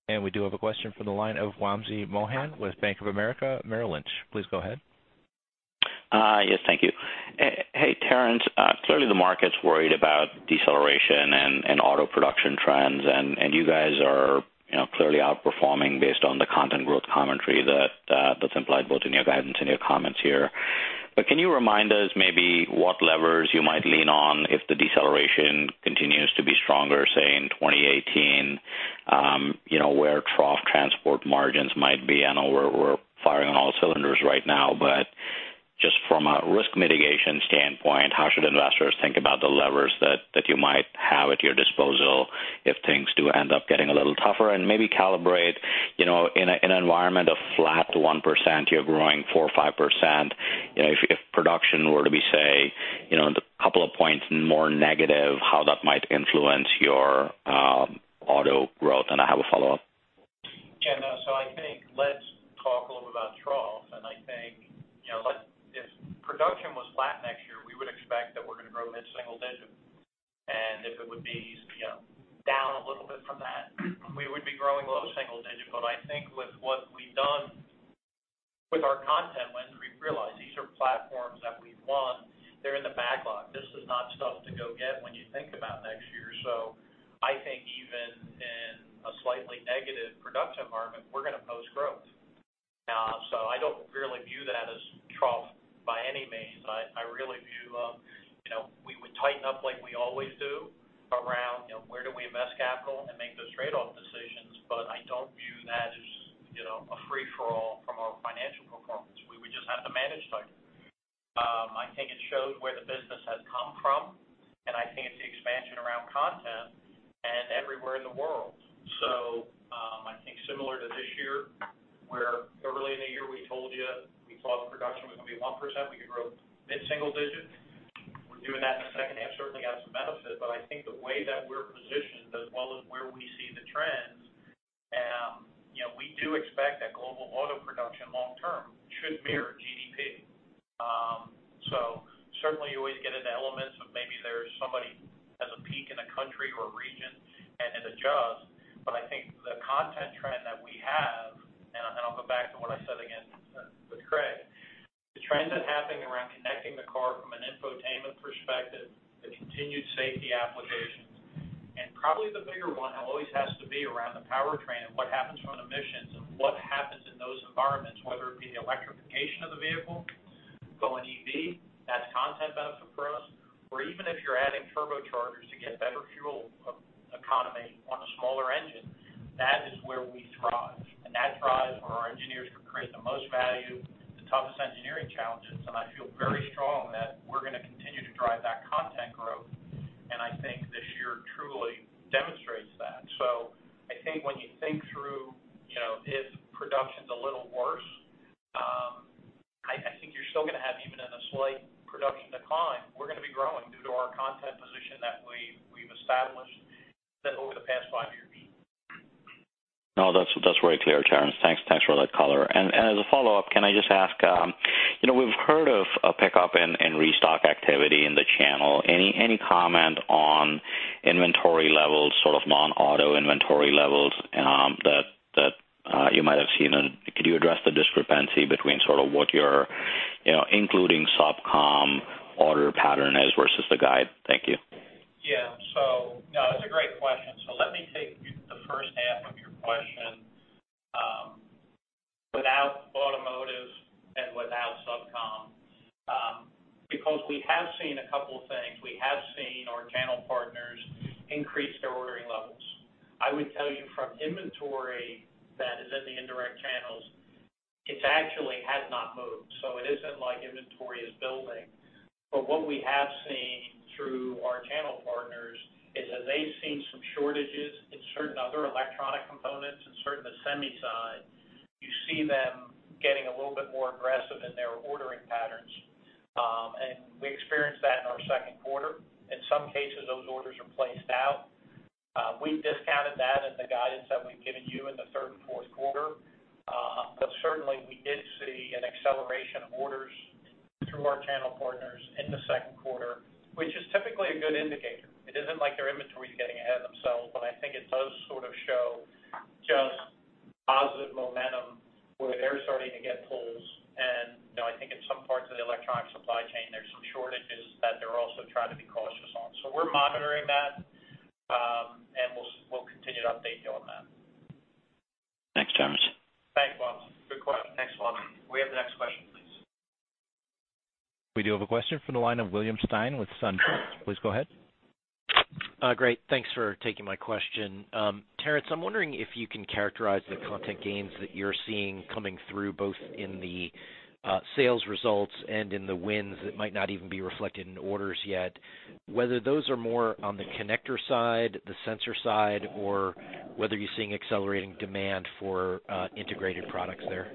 And we do have a question from the line of Wamsi Mohan with Bank of America Merrill Lynch. Please go ahead.
Yes, thank you. Hey, Terrence, clearly the market's worried about deceleration and Auto production trends, and you guys are clearly outperforming based on the content growth commentary that's implied both in your guidance and your comments here. But can you remind us maybe what levers you might lean on if the deceleration continues to be stronger, say in 2018, where trough transport margins might be? I know we're firing on all cylinders right now, but just from a risk mitigation standpoint, how should investors think about the levers that you might have at your disposal if things do end up getting a little tougher? And maybe calibrate in an environment of flat to 1%; you're growing 4%-5%. If production were to be, say, a couple of points more negative, how that might influence your Auto growth? And I have a follow-up.
Yeah, no. So I think let's talk a little bit about trough, and I think if production was flat next year, we would expect that we're going to grow mid-single-digit. And if it would be down a little bit from that, we would be growing low-single-digit. But I think with what we've done with our content wins, we've realized these are platforms that we've won. They're in the backlog. This is not stuff to go get when you think about next year. So I think even in a slightly negative production environment, we're going to post growth. So I don't really view that as trough by any means. I really view we would tighten up like we always do around where do we invest capital and make those trade-off decisions, but I don't view that as a free-for-all from our financial performance. We would just have to manage tighter. I think it shows where the business has come from, and I think it's the expansion around content and everywhere in the world. So I think similar to this year where early in the year we told you we thought production was going to be 1%, we could grow mid-single digit. We're doing that in the second half, certainly got some benefit. But I think the way that we're positioned, as well as where we see the trends, we do expect that global Auto production long-term should mirror GDP. So certainly you always get into elements of maybe there's somebody has a peek in a country or a region and adjusts, but I think the content trend that we have, and I'll go back to what I said again with Craig, the trend that's happening around connecting the car from an infotainment perspective, the continued safety applications, and probably the bigger one always has to be around the powertrain and what happens from emissions and what happens in those environments, whether it be the electrification of the vehicle, going EV, that's content benefit for us. Or even if you're adding turbochargers to get better fuel economy on a smaller engine, that is where we thrive. And that thrives where our engineers can create the most value, the toughest engineering challenges. And I feel very strong that we're going to continue to drive that content growth, and I think this year truly demonstrates that. So I think when you think through if production's a little worse, I think you're still going to have even in a slight production decline, we're going to be growing due to our content position that we've established over the past five years.
No, that's very clear, Terrence. Thanks for that color. And as a follow-up, can I just ask, we've heard of pickup and restock activity in the channel. Any comment on inventory levels, sort of non-Auto inventory levels that you might have seen? And could you address the discrepancy between sort of what you're including SubCom order pattern is versus the guide? Thank you.
Yeah. So no, that's a great question. So let me take the first half of your question without Automotive and without SubCom because we have seen a couple of things. We have seen our channel partners increase their ordering levels. I would tell you from inventory that is in the indirect channels, it actually has not moved. So it isn't like inventory is building. But what we have seen through our channel partners is that they've seen some shortages in certain other electronic components and certainly the semi side. You see them getting a little bit more aggressive in their ordering patterns. And we experienced that in our second quarter. In some cases, those orders are placed out. We've discounted that in the guidance that we've given you in the third and fourth quarter. But certainly, we did see an acceleration of orders through our channel partners in the second quarter, which is typically a good indicator. It isn't like their inventory is getting ahead of themselves, but I think it does sort of show just positive momentum where they're starting to get pulls. And I think in some parts of the electronic supply chain, there's some shortages that they're also trying to be cautious on. So we're monitoring that, and we'll continue to update you on that.
Thanks, Terrence.
Thanks, Wamsi. Good question.
Thanks, Wamsi. We have the next question, please.
We do have a question from the line of William Stein with SunTrust. Please go ahead.
Great. Thanks for taking my question. Terrence, I'm wondering if you can characterize the content gains that you're seeing coming through both in the sales results and in the wins that might not even be reflected in orders yet, whether those are more on the connector side, the sensor side, or whether you're seeing accelerating demand for integrated products there?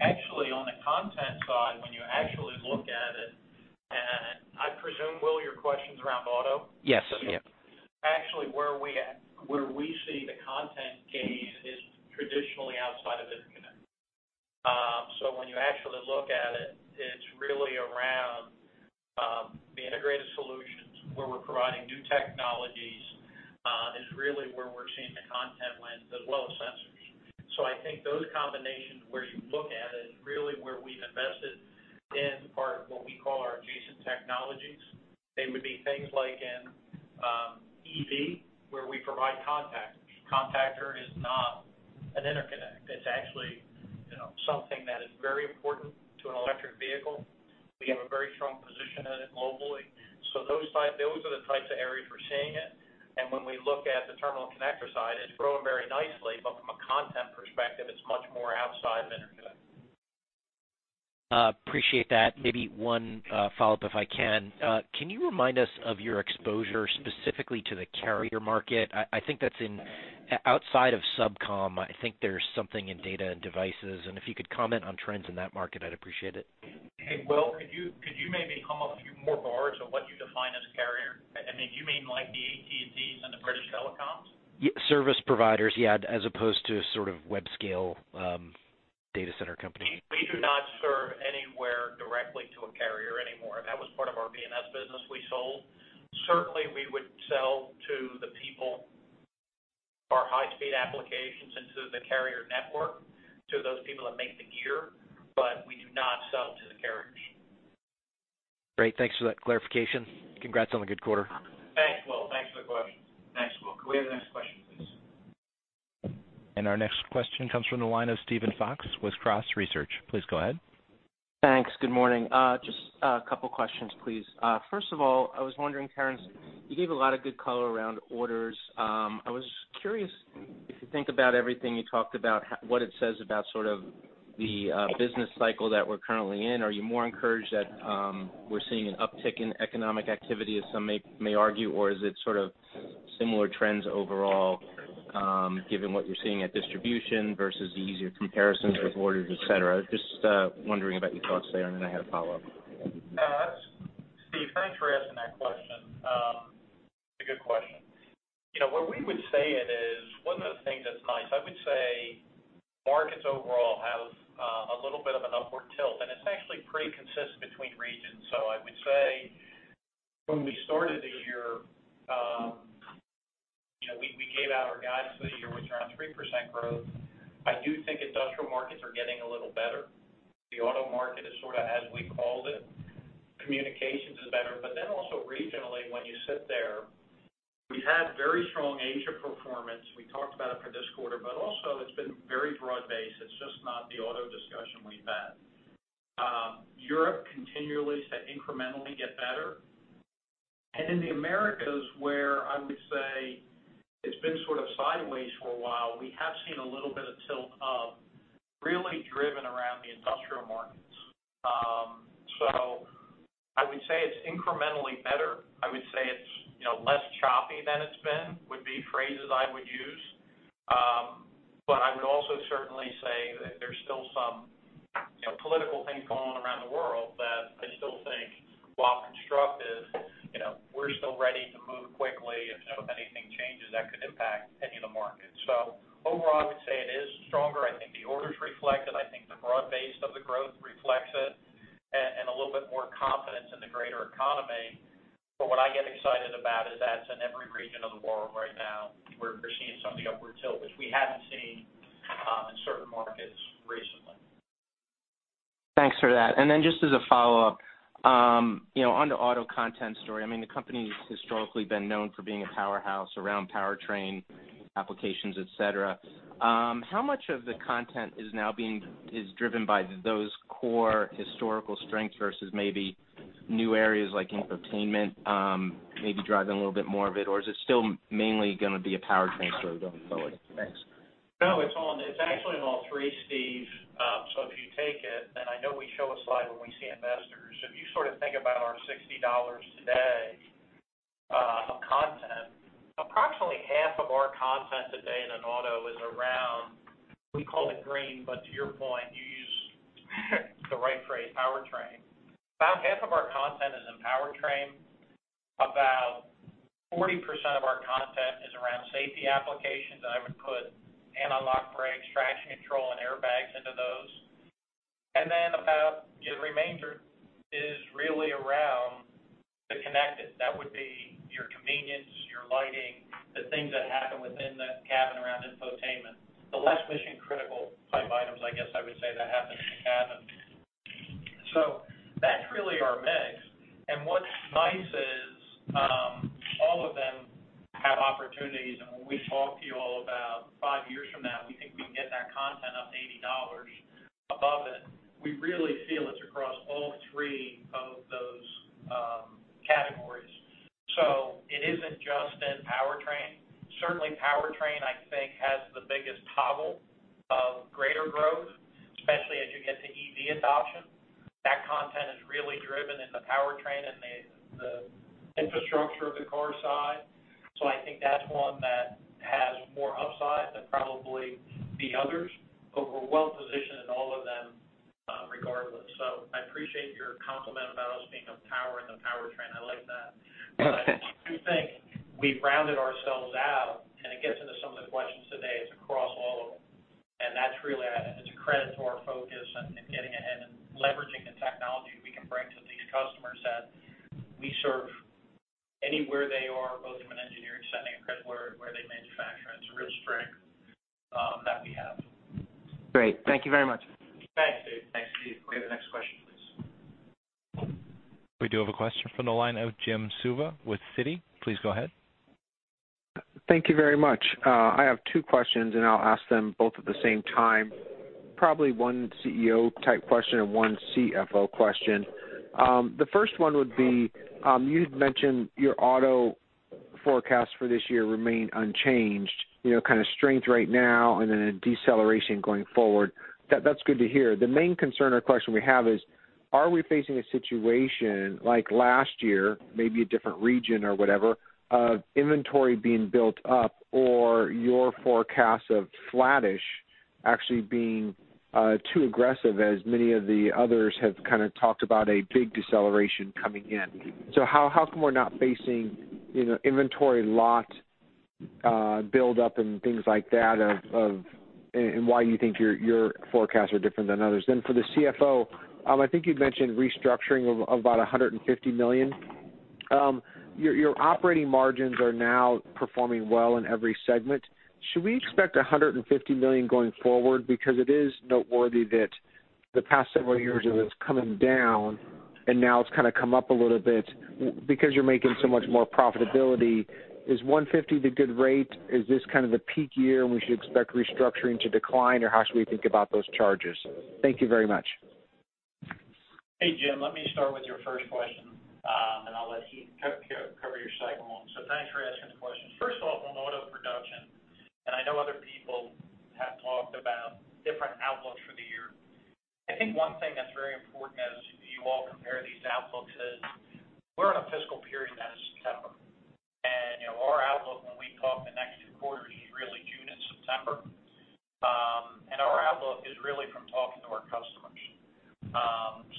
Actually, on the content side, when you actually look at it, and I presume, Will, your question's around Auto? Yes. Actually, where we see the content gain is traditionally outside of interconnect. So when you actually look at it, it's really around the integrated solutions where we're providing new technologies is really where we're seeing the content wins as well as Sensors. So I think those combinations where you look at it is really where we've invested in part of what we call our adjacent technologies. They would be things like in EV where we provide contacts. Contactor is not an interconnect. It's actually something that is very important to an electric vehicle. We have a very strong position in it globally. So those are the types of areas we're seeing it. And when we look at the terminal connector side, it's growing very nicely, but from a content perspective, it's much more outside of interconnect.
Appreciate that. Maybe one follow-up if I can. Can you remind us of your exposure specifically to the carrier market? I think that's outside of SubCom. I think there's something in Data and Devices. And if you could comment on trends in that market, I'd appreciate it.
Hey, Will, could you maybe come up a few more bars of what you define as carrier? I mean, do you mean like the AT&Ts and the British Telecoms?
Service providers, yeah, as opposed to sort of web-scale data center company.
We do not serve anywhere directly to a carrier anymore. That was part of our BNS business we sold. Certainly, we would sell to the people, our high-speed applications into the carrier network, to those people that make the gear, but we do not sell to the carriers.
Great. Thanks for that clarification. Congrats on the good quarter.
Thanks, Will. Thanks for the question.
Thanks, Will. Can we have the next question, please?
And our next question comes from the line of Steven Fox with Cross Research. Please go ahead.
Thanks. Good morning. Just a couple of questions, please. First of all, I was wondering, Terrence, you gave a lot of good color around orders. I was curious if you think about everything you talked about, what it says about sort of the business cycle that we're currently in. Are you more encouraged that we're seeing an uptick in economic activity, as some may argue, or is it sort of similar trends overall given what you're seeing at distribution versus the easier comparisons with orders, etc.? Just wondering about your thoughts there, and then I had a follow-up.
Steve, thanks for asking that question. It's a good question. What we would say is one of the things that's nice, I would say markets overall have a little bit of an upward tilt, and it's actually pretty consistent between regions. So I would say when we started the year, we gave out our guidance for the year with around 3% growth. I do think Industrial markets are getting a little better. The Auto market is sort of, as we called it, Communications is better. But then also regionally, when you sit there, we've had very strong Asia performance. We talked about it for this quarter, but also it's been very broad-based. It's just not the Auto discussion we've had. Europe continually is to incrementally get better. And in the Americas where I would say it's been sort of sideways for a while, we have seen a little bit of tilt up really driven around the Industrial markets. So I would say it's incrementally better. I would say it's less choppy than it's been, would be phrases I would use. But I would also certainly say that there's still some political things going on around the world that I still think, while constructive, we're still ready to move quickly if anything changes that could impact any of the markets. So overall, I would say it is stronger. I think the orders reflect it. I think the broad-based of the growth reflects it and a little bit more confidence in the greater economy. But what I get excited about is that's in every region of the world right now where we're seeing some of the upward tilt, which we haven't seen in certain markets recently.
Thanks for that. And then just as a follow-up, on the Auto content story, I mean, the company has historically been known for being a powerhouse around powertrain applications, etc. How much of the content is driven by those core historical strengths versus maybe new areas like infotainment, maybe driving a little bit more of it, or is it still mainly going to be a powertrain story going forward? Thanks.
No, it's actually in all three, Steve. So if you take it, and I know we show a slide when we see investors. If you sort of think about our $60 today of content, approximately half of our content today in an Auto is around we call it green, but to your point, you used the right phrase, powertrain. About half of our content is in powertrain. About 40% of our content is around safety applications. I would put anti-lock brakes, traction control, and airbags into those. And then about the remainder is really around the connected. That would be your convenience, your lighting, the things that happen within the cabin around infotainment, the less mission-critical type items, I guess I would say, that happen in the cabin. So that's really our mix. And what's nice is all of them have opportunities. When we talk to you all about five years from now, we think we can get that content up to $80 above it. We really feel it's across all three of those categories. So it isn't just in powertrain. Certainly, powertrain, I think, has the biggest toggle of greater growth, especially as you get to EV adoption. That content is really driven in the powertrain and the infrastructure of the car side. So I think that's one that has more upside than probably the others, but we're well positioned in all of them regardless. So I appreciate your compliment about us being on power and the powertrain. I like that. But I do think we've rounded ourselves out, and it gets into some of the questions today. It's across all of them. That's really it's a credit to our focus and getting ahead and leveraging the technology we can bring to these customers that we serve anywhere they are, both from an engineering setting and where they manufacture. It's a real strength that we have.
Great. Thank you very much.
Thanks, Steve.
Thanks, Steve. We'll get the next question, please.
We do have a question from the line of Jim Suva with Citi. Please go ahead.
Thank you very much. I have two questions, and I'll ask them both at the same time. Probably one CEO-type question and one CFO question. The first one would be, you had mentioned your Auto forecast for this year remained unchanged, kind of strength right now, and then a deceleration going forward. That's good to hear. The main concern or question we have is, are we facing a situation like last year, maybe a different region or whatever, of inventory being built up or your forecast of flattish actually being too aggressive as many of the others have kind of talked about a big deceleration coming in? So how come we're not facing inventory lot build-up and things like that and why you think your forecasts are different than others? Then for the CFO, I think you'd mentioned restructuring of about $150 million. Your operating margins are now performing well in every segment. Should we expect $150 million going forward? Because it is noteworthy that the past several years it was coming down, and now it's kind of come up a little bit because you're making so much more profitability. Is $150 million the good rate? Is this kind of the peak year and we should expect restructuring to decline, or how should we think about those charges? Thank you very much.
Hey, Jim. Let me start with your first question, and I'll let him cover your second one. So thanks for asking the question. First off, on Auto production, and I know other people have talked about different outlooks for the year. I think one thing that's very important as you all compare these outlooks is we're in a fiscal period that is September. Our outlook when we talk the next two quarters is really June and September. And our outlook is really from talking to our customers.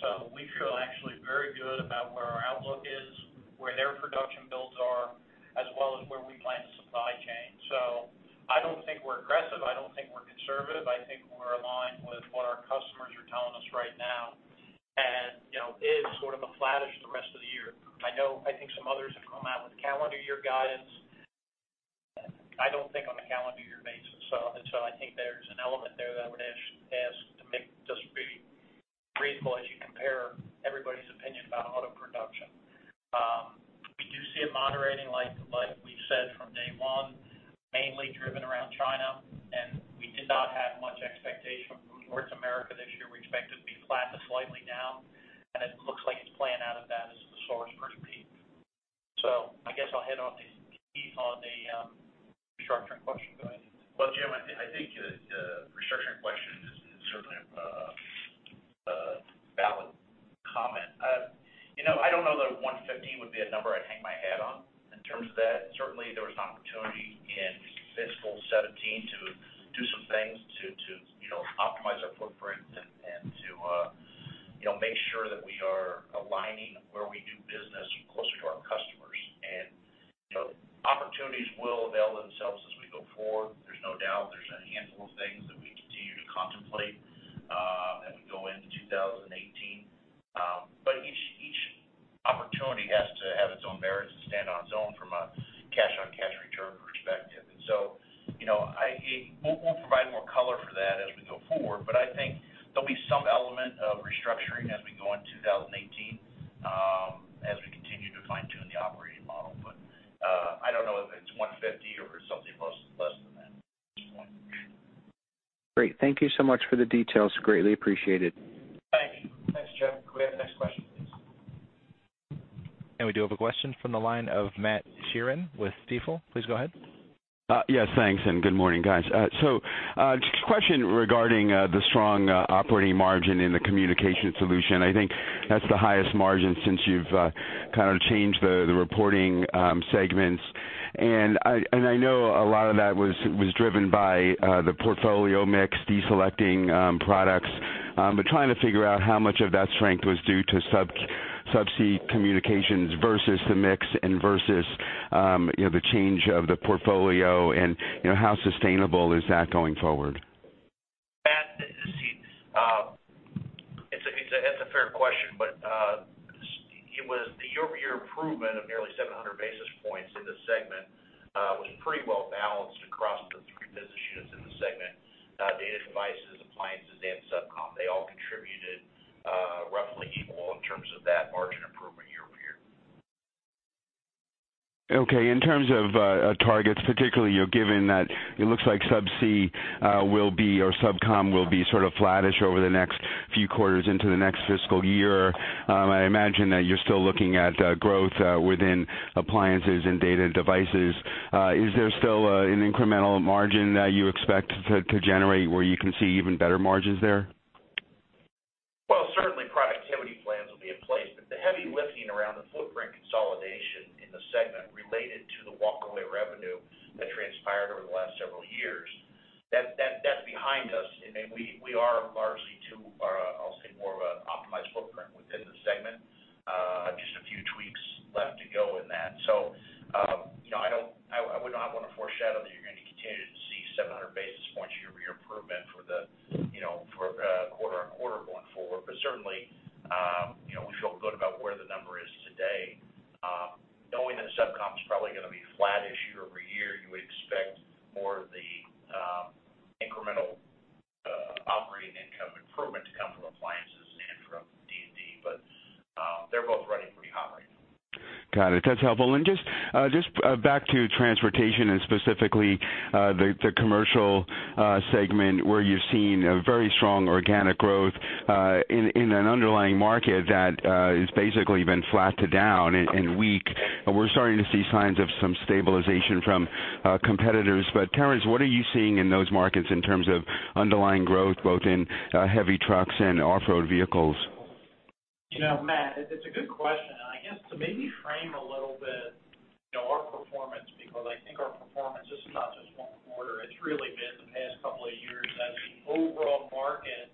So we feel actually very good about where our outlook is, where their production builds are, as well as where we plan to supply chain. So I don't think we're aggressive. I don't think we're conservative. I think we're aligned with what our customers are telling us right now and is sort of a flattish the rest of the year. I think some others have come out with calendar year guidance. I don't think on a calendar year basis. And so I think there's an element there that I would ask to make just really reasonable as you compare everybody's opinion about Auto production. We do see a moderating, like we said, from day one, mainly driven around China. And we did not have much expectation from North America this year. We expected to be flat to slightly down. And it looks like it's playing out of that as the source pretty peak. So I guess I'll head off to Heath on the restructuring question. Go ahead.
Well, Jim, I think the restructuring question is certainly a valid comment. I don't know that 115 would be a number I'd hang my hat on in terms of that. Certainly, there was an opportunity in fiscal 2017 to do some things to optimize our footprint and to make sure that we are aligning where we do business closer to our customers. And opportunities will avail themselves as we go forward. There's no doubt there's a handful of things that we continue to contemplate as we go into 2018. But each opportunity has to have its own merits and stand on its own from a cash-on-cash return perspective. And so we'll provide more color for that as we go forward. But I think there'll be some element of restructuring as we go into 2018 as we continue to fine-tune the operating model. But I don't know if it's $150 million or something less than that at this point.
Great. Thank you so much for the details. Greatly appreciated.
Thank you.
Thanks, Jim. Can we have the next question, please?
And we do have a question from the line of Matt Sheerin with Stifel. Please go ahead.
Yes, thanks. And good morning, guys. So question regarding the strong operating margin in the Communications Solutions. I think that's the highest margin since you've kind of changed the reporting segments. And I know a lot of that was driven by the portfolio mix, deselecting products, but trying to figure out how much of that strength was due to Subsea Communications versus the mix and versus the change of the portfolio. And how sustainable is that going forward?
See, it's a fair question, but your improvement of nearly 700 basis points in the segment was pretty well balanced across the three business units in the segment, Data and Devices, Appliances, and SubCom. They all contributed roughly equal in terms of that margin improvement year over year.
Okay. In terms of targets, particularly given that it looks like subsea will be or SubCom will be sort of flattish over the next few quarters into the next fiscal year, I imagine that you're still looking at growth within Appliances and Data and Devices. Is there still an incremental margin that you expect to generate where you can see even better margins there?
Well, certainly, productivity plans will be in place. But the heavy lifting around the footprint consolidation in the segment related to the walk-away revenue that transpired over the last several years, that's behind us. I mean, we are largely to, I'll say, more of an optimized footprint within the segment, just a few tweaks left to go in that. So I would not want to foreshadow that you're going to continue to see 700 basis points year-over-year improvement for the quarter-on-quarter going forward. But certainly, we feel good about where the number is today. Knowing that SubCom is probably going to be flattish year-over-year, you would expect more of the incremental operating income improvement to come from Appliances and from D&D. But they're both running pretty hot right now.
Got it. That's helpful. And just back to Transportation and specifically the Commercial segment where you've seen a very strong organic growth in an underlying market that has basically been flat to down and weak. We're starting to see signs of some stabilization from competitors. But Terrence, what are you seeing in those markets in terms of underlying growth, both in heavy trucks and off-road vehicles?
Matt, it's a good question. I guess to maybe frame a little bit our performance, because I think our performance is not just one quarter. It's really been the past couple of years as the overall market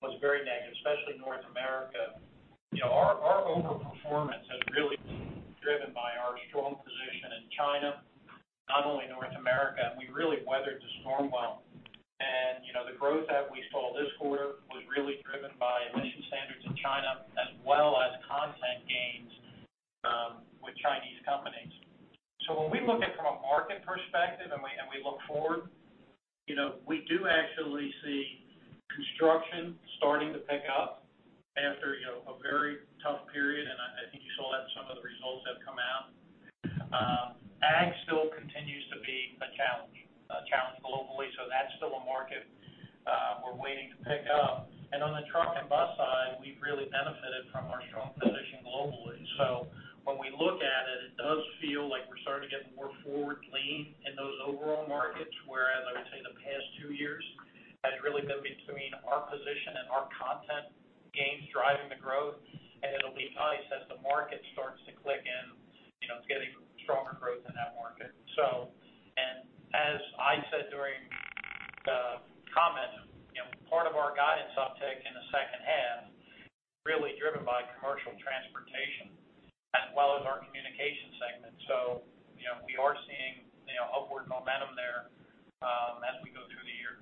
was very negative, especially North America. Our overperformance has really been driven by our strong position in China, not only North America. We really weathered the storm well. The growth that we saw this quarter was really driven by emission standards in China as well as content gains with Chinese companies. When we look at it from a market perspective and we look forward, we do actually see construction starting to pick up after a very tough period. I think you saw that in some of the results that have come out. Ag still continues to be a challenge, a challenge globally. That's still a market we're waiting to pick up. And on the truck and bus side, we've really benefited from our strong position globally. So when we look at it, it does feel like we're starting to get more forward lean in those overall markets, whereas I would say the past two years has really been between our position and our content gains driving the growth. And it'll be nice as the market starts to click in, getting stronger growth in that market. And as I said during the comment, part of our guidance uptake in the second half is really driven by Commercial Transportation as well as our Communications segment. So we are seeing upward momentum there as we go through the year.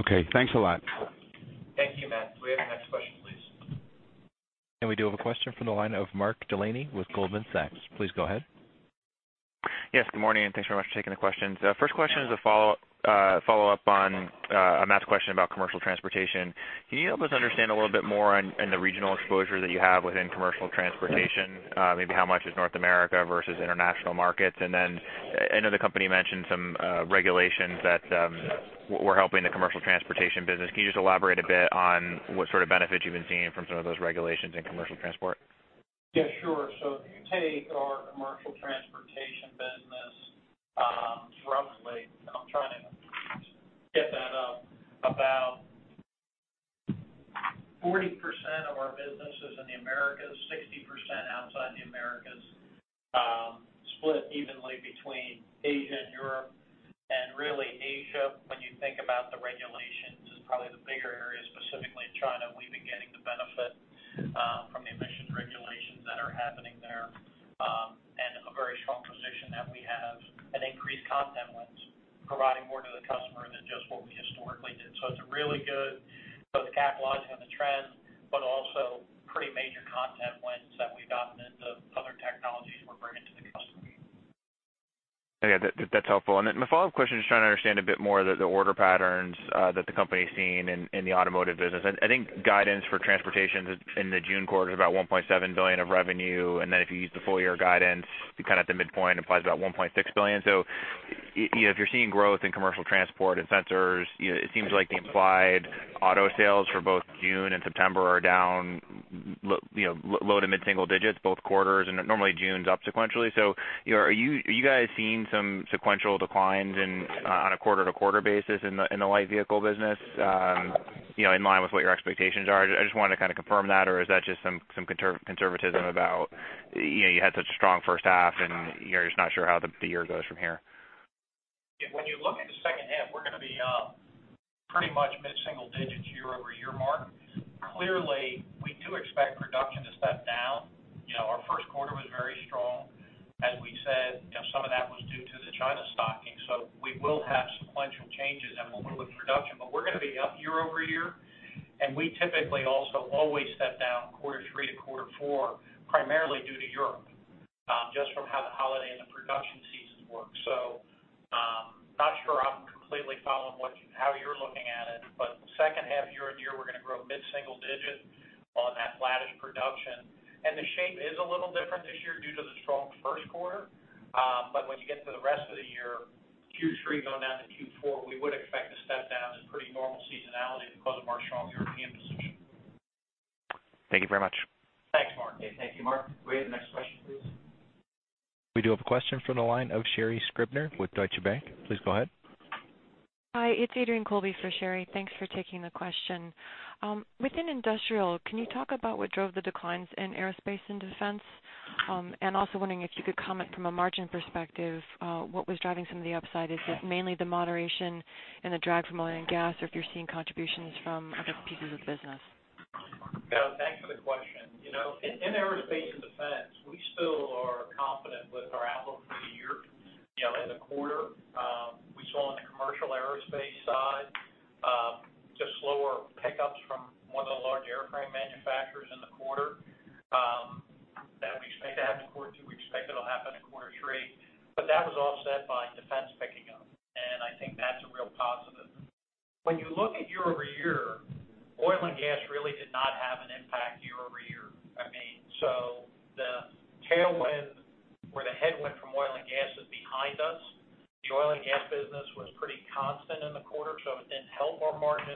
Okay. Thanks a lot.
Thank you, Matt. Go ahead to the next question, please.
And we do have a question from the line of Mark Delaney with Goldman Sachs. Please go ahead.
Yes. Good morning. Thanks very much for taking the questions. First question is a follow-up on Matt's question about Commercial Transportation. Can you help us understand a little bit more on the regional exposure that you have within Commercial Transportation? Maybe how much is North America versus international markets? And then I know the company mentioned some regulations that were helping the Commercial Transportation business. Can you just elaborate a bit on what sort of benefits you've been seeing from some of those regulations in Commercial Transport?
Yeah, sure. So if you take our Commercial Transportation business roughly, and I'm trying to get that up, about 40% of our businesses in the Americas, 60% outside the Americas, split evenly between Asia and Europe. And really, Asia, when you think about the regulations, is probably the bigger area, specifically China. We've been getting the benefit from the emissions regulations that are happening there and a very strong position that we have and increased content wins, providing more to the customer than just what we historically did. So it's a really good both capitalizing on the trend, but also pretty major content wins that we've gotten into other technologies we're bringing to the customer.
Yeah. That's helpful. And then my follow-up question is trying to understand a bit more of the order patterns that the company is seeing in the Automotive business. I think guidance for Transportation in the June quarter is about $1.7 billion of revenue. And then if you use the full-year guidance, kind of at the midpoint, it implies about $1.6 billion. So if you're seeing growth in Commercial Transport and Sensors, it seems like the implied Auto sales for both June and September are down low- to mid-single digits both quarters. And normally, June's up sequentially. So are you guys seeing some sequential declines on a quarter-to-quarter basis in the light vehicle business in line with what your expectations are? I just wanted to kind of confirm that, or is that just some conservatism about you had such a strong first half, and you're just not sure how the year goes from here?
When you look at the second half, we're going to be pretty much mid-single digits year-over-year, Mark. Clearly, we do expect production to step down. Our first quarter was very strong. As we said, some of that was due to the China stocking. So we will have sequential changes and momentum with production. But we're going to be up year-over-year. And we typically also always step down quarter three to quarter four, primarily due to Europe, just from how the holiday and the production seasons work. So not sure I'm completely following how you're looking at it. But second half year-over-year, we're going to grow mid-single digit on that flattish production. And the shape is a little different this year due to the strong first quarter. But when you get to the rest of the year, Q3 going down to Q4, we would expect a step down in pretty normal seasonality because of our strong European position.
Thank you very much.
Thanks, Mark.
Thank you, Mark. Go ahead to the next question, please.
We do have a question from the line of Sherri Scribner with Deutsche Bank. Please go ahead.
Hi. It's Adrienne Colby for Sherri. Thanks for taking the question. Within Industrial, can you talk about what drove the declines in Aerospace and Defense? And also wondering if you could comment from a margin perspective, what was driving some of the upside? Is it mainly the moderation and the drag from Oil and Gas, or if you're seeing contributions from other pieces of business?
Yeah. Thanks for the question. In Aerospace and Defense, we still are confident with our outlook for the year and the quarter. We saw on the Commercial Aerospace side just slower pickups from one of the large airframe manufacturers in the quarter. That we expect to have in quarter two. We expect it'll happen in quarter three. But that was offset by defense picking up. I think that's a real positive. When you look at year-over-year, Oil and Gas really did not have an impact year-over-year. I mean, so the tailwind, where the headwind from Oil and Gas is behind us, the Oil and Gas business was pretty constant in the quarter, so it didn't help our margin.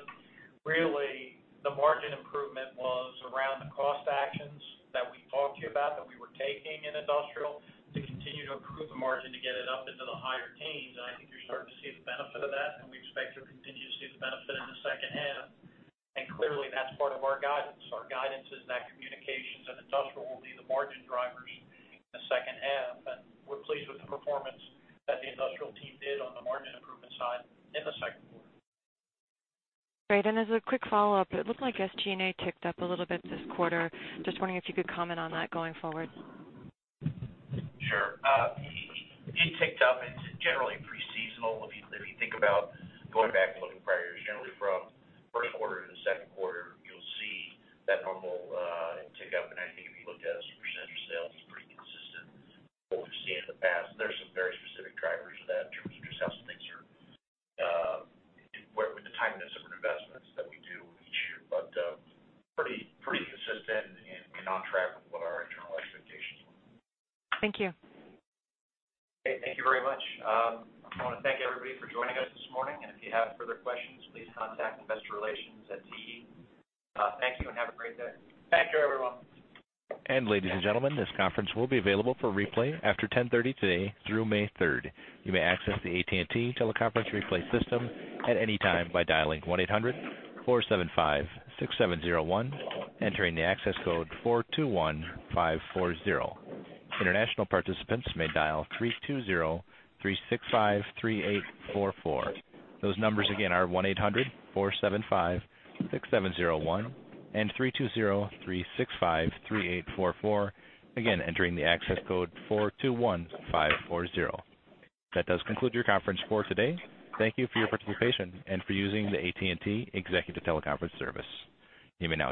Really, the margin improvement was around the cost actions that we talked to you about that we were taking in Industrial to continue to improve the margin to get it up into the higher teens. And I think you're starting to see the benefit of that. And we expect to continue to see the benefit in the second half. And clearly, that's part of our guidance. Our guidance is that Communications and Industrial will be the margin drivers in the second half. And we're pleased with the performance that the Industrial team did on the margin improvement side in the second quarter.
Great. As a quick follow-up, it looked like SG&A ticked up a little bit this quarter. Just wondering if you could comment on that going forward?
Sure. It ticked up. It's generally pretty seasonal. If you think about going back and looking prior, generally from first quarter to the second quarter, you'll see that normal tick up. And I think if you looked at SG&A as a percent of sales, it's pretty consistent with what we've seen in the past. There's some very specific drivers of that in terms of just how some things are with the timing of some of the investments that we do each year. But pretty consistent and on track with what our internal expectations were.
Thank you.
Okay. Thank you very much. I want to thank everybody for joining us this morning. And if you have further questions, please contact investorrelations@te.com. Thank you and have a great day.
Thank you, everyone.
Ladies and gentlemen, this conference will be available for replay after 10:30 today through May 3rd. You may access the AT&T teleconference replay system at any time by dialing 1-800-475-6701, entering the access code 421540. International participants may dial 320-365-3844. Those numbers, again, are 1-800-475-6701 and 320-365-3844. Again, entering the access code 421540. That does conclude your conference for today. Thank you for your participation and for using the AT&T Executive Teleconference Service. You may now.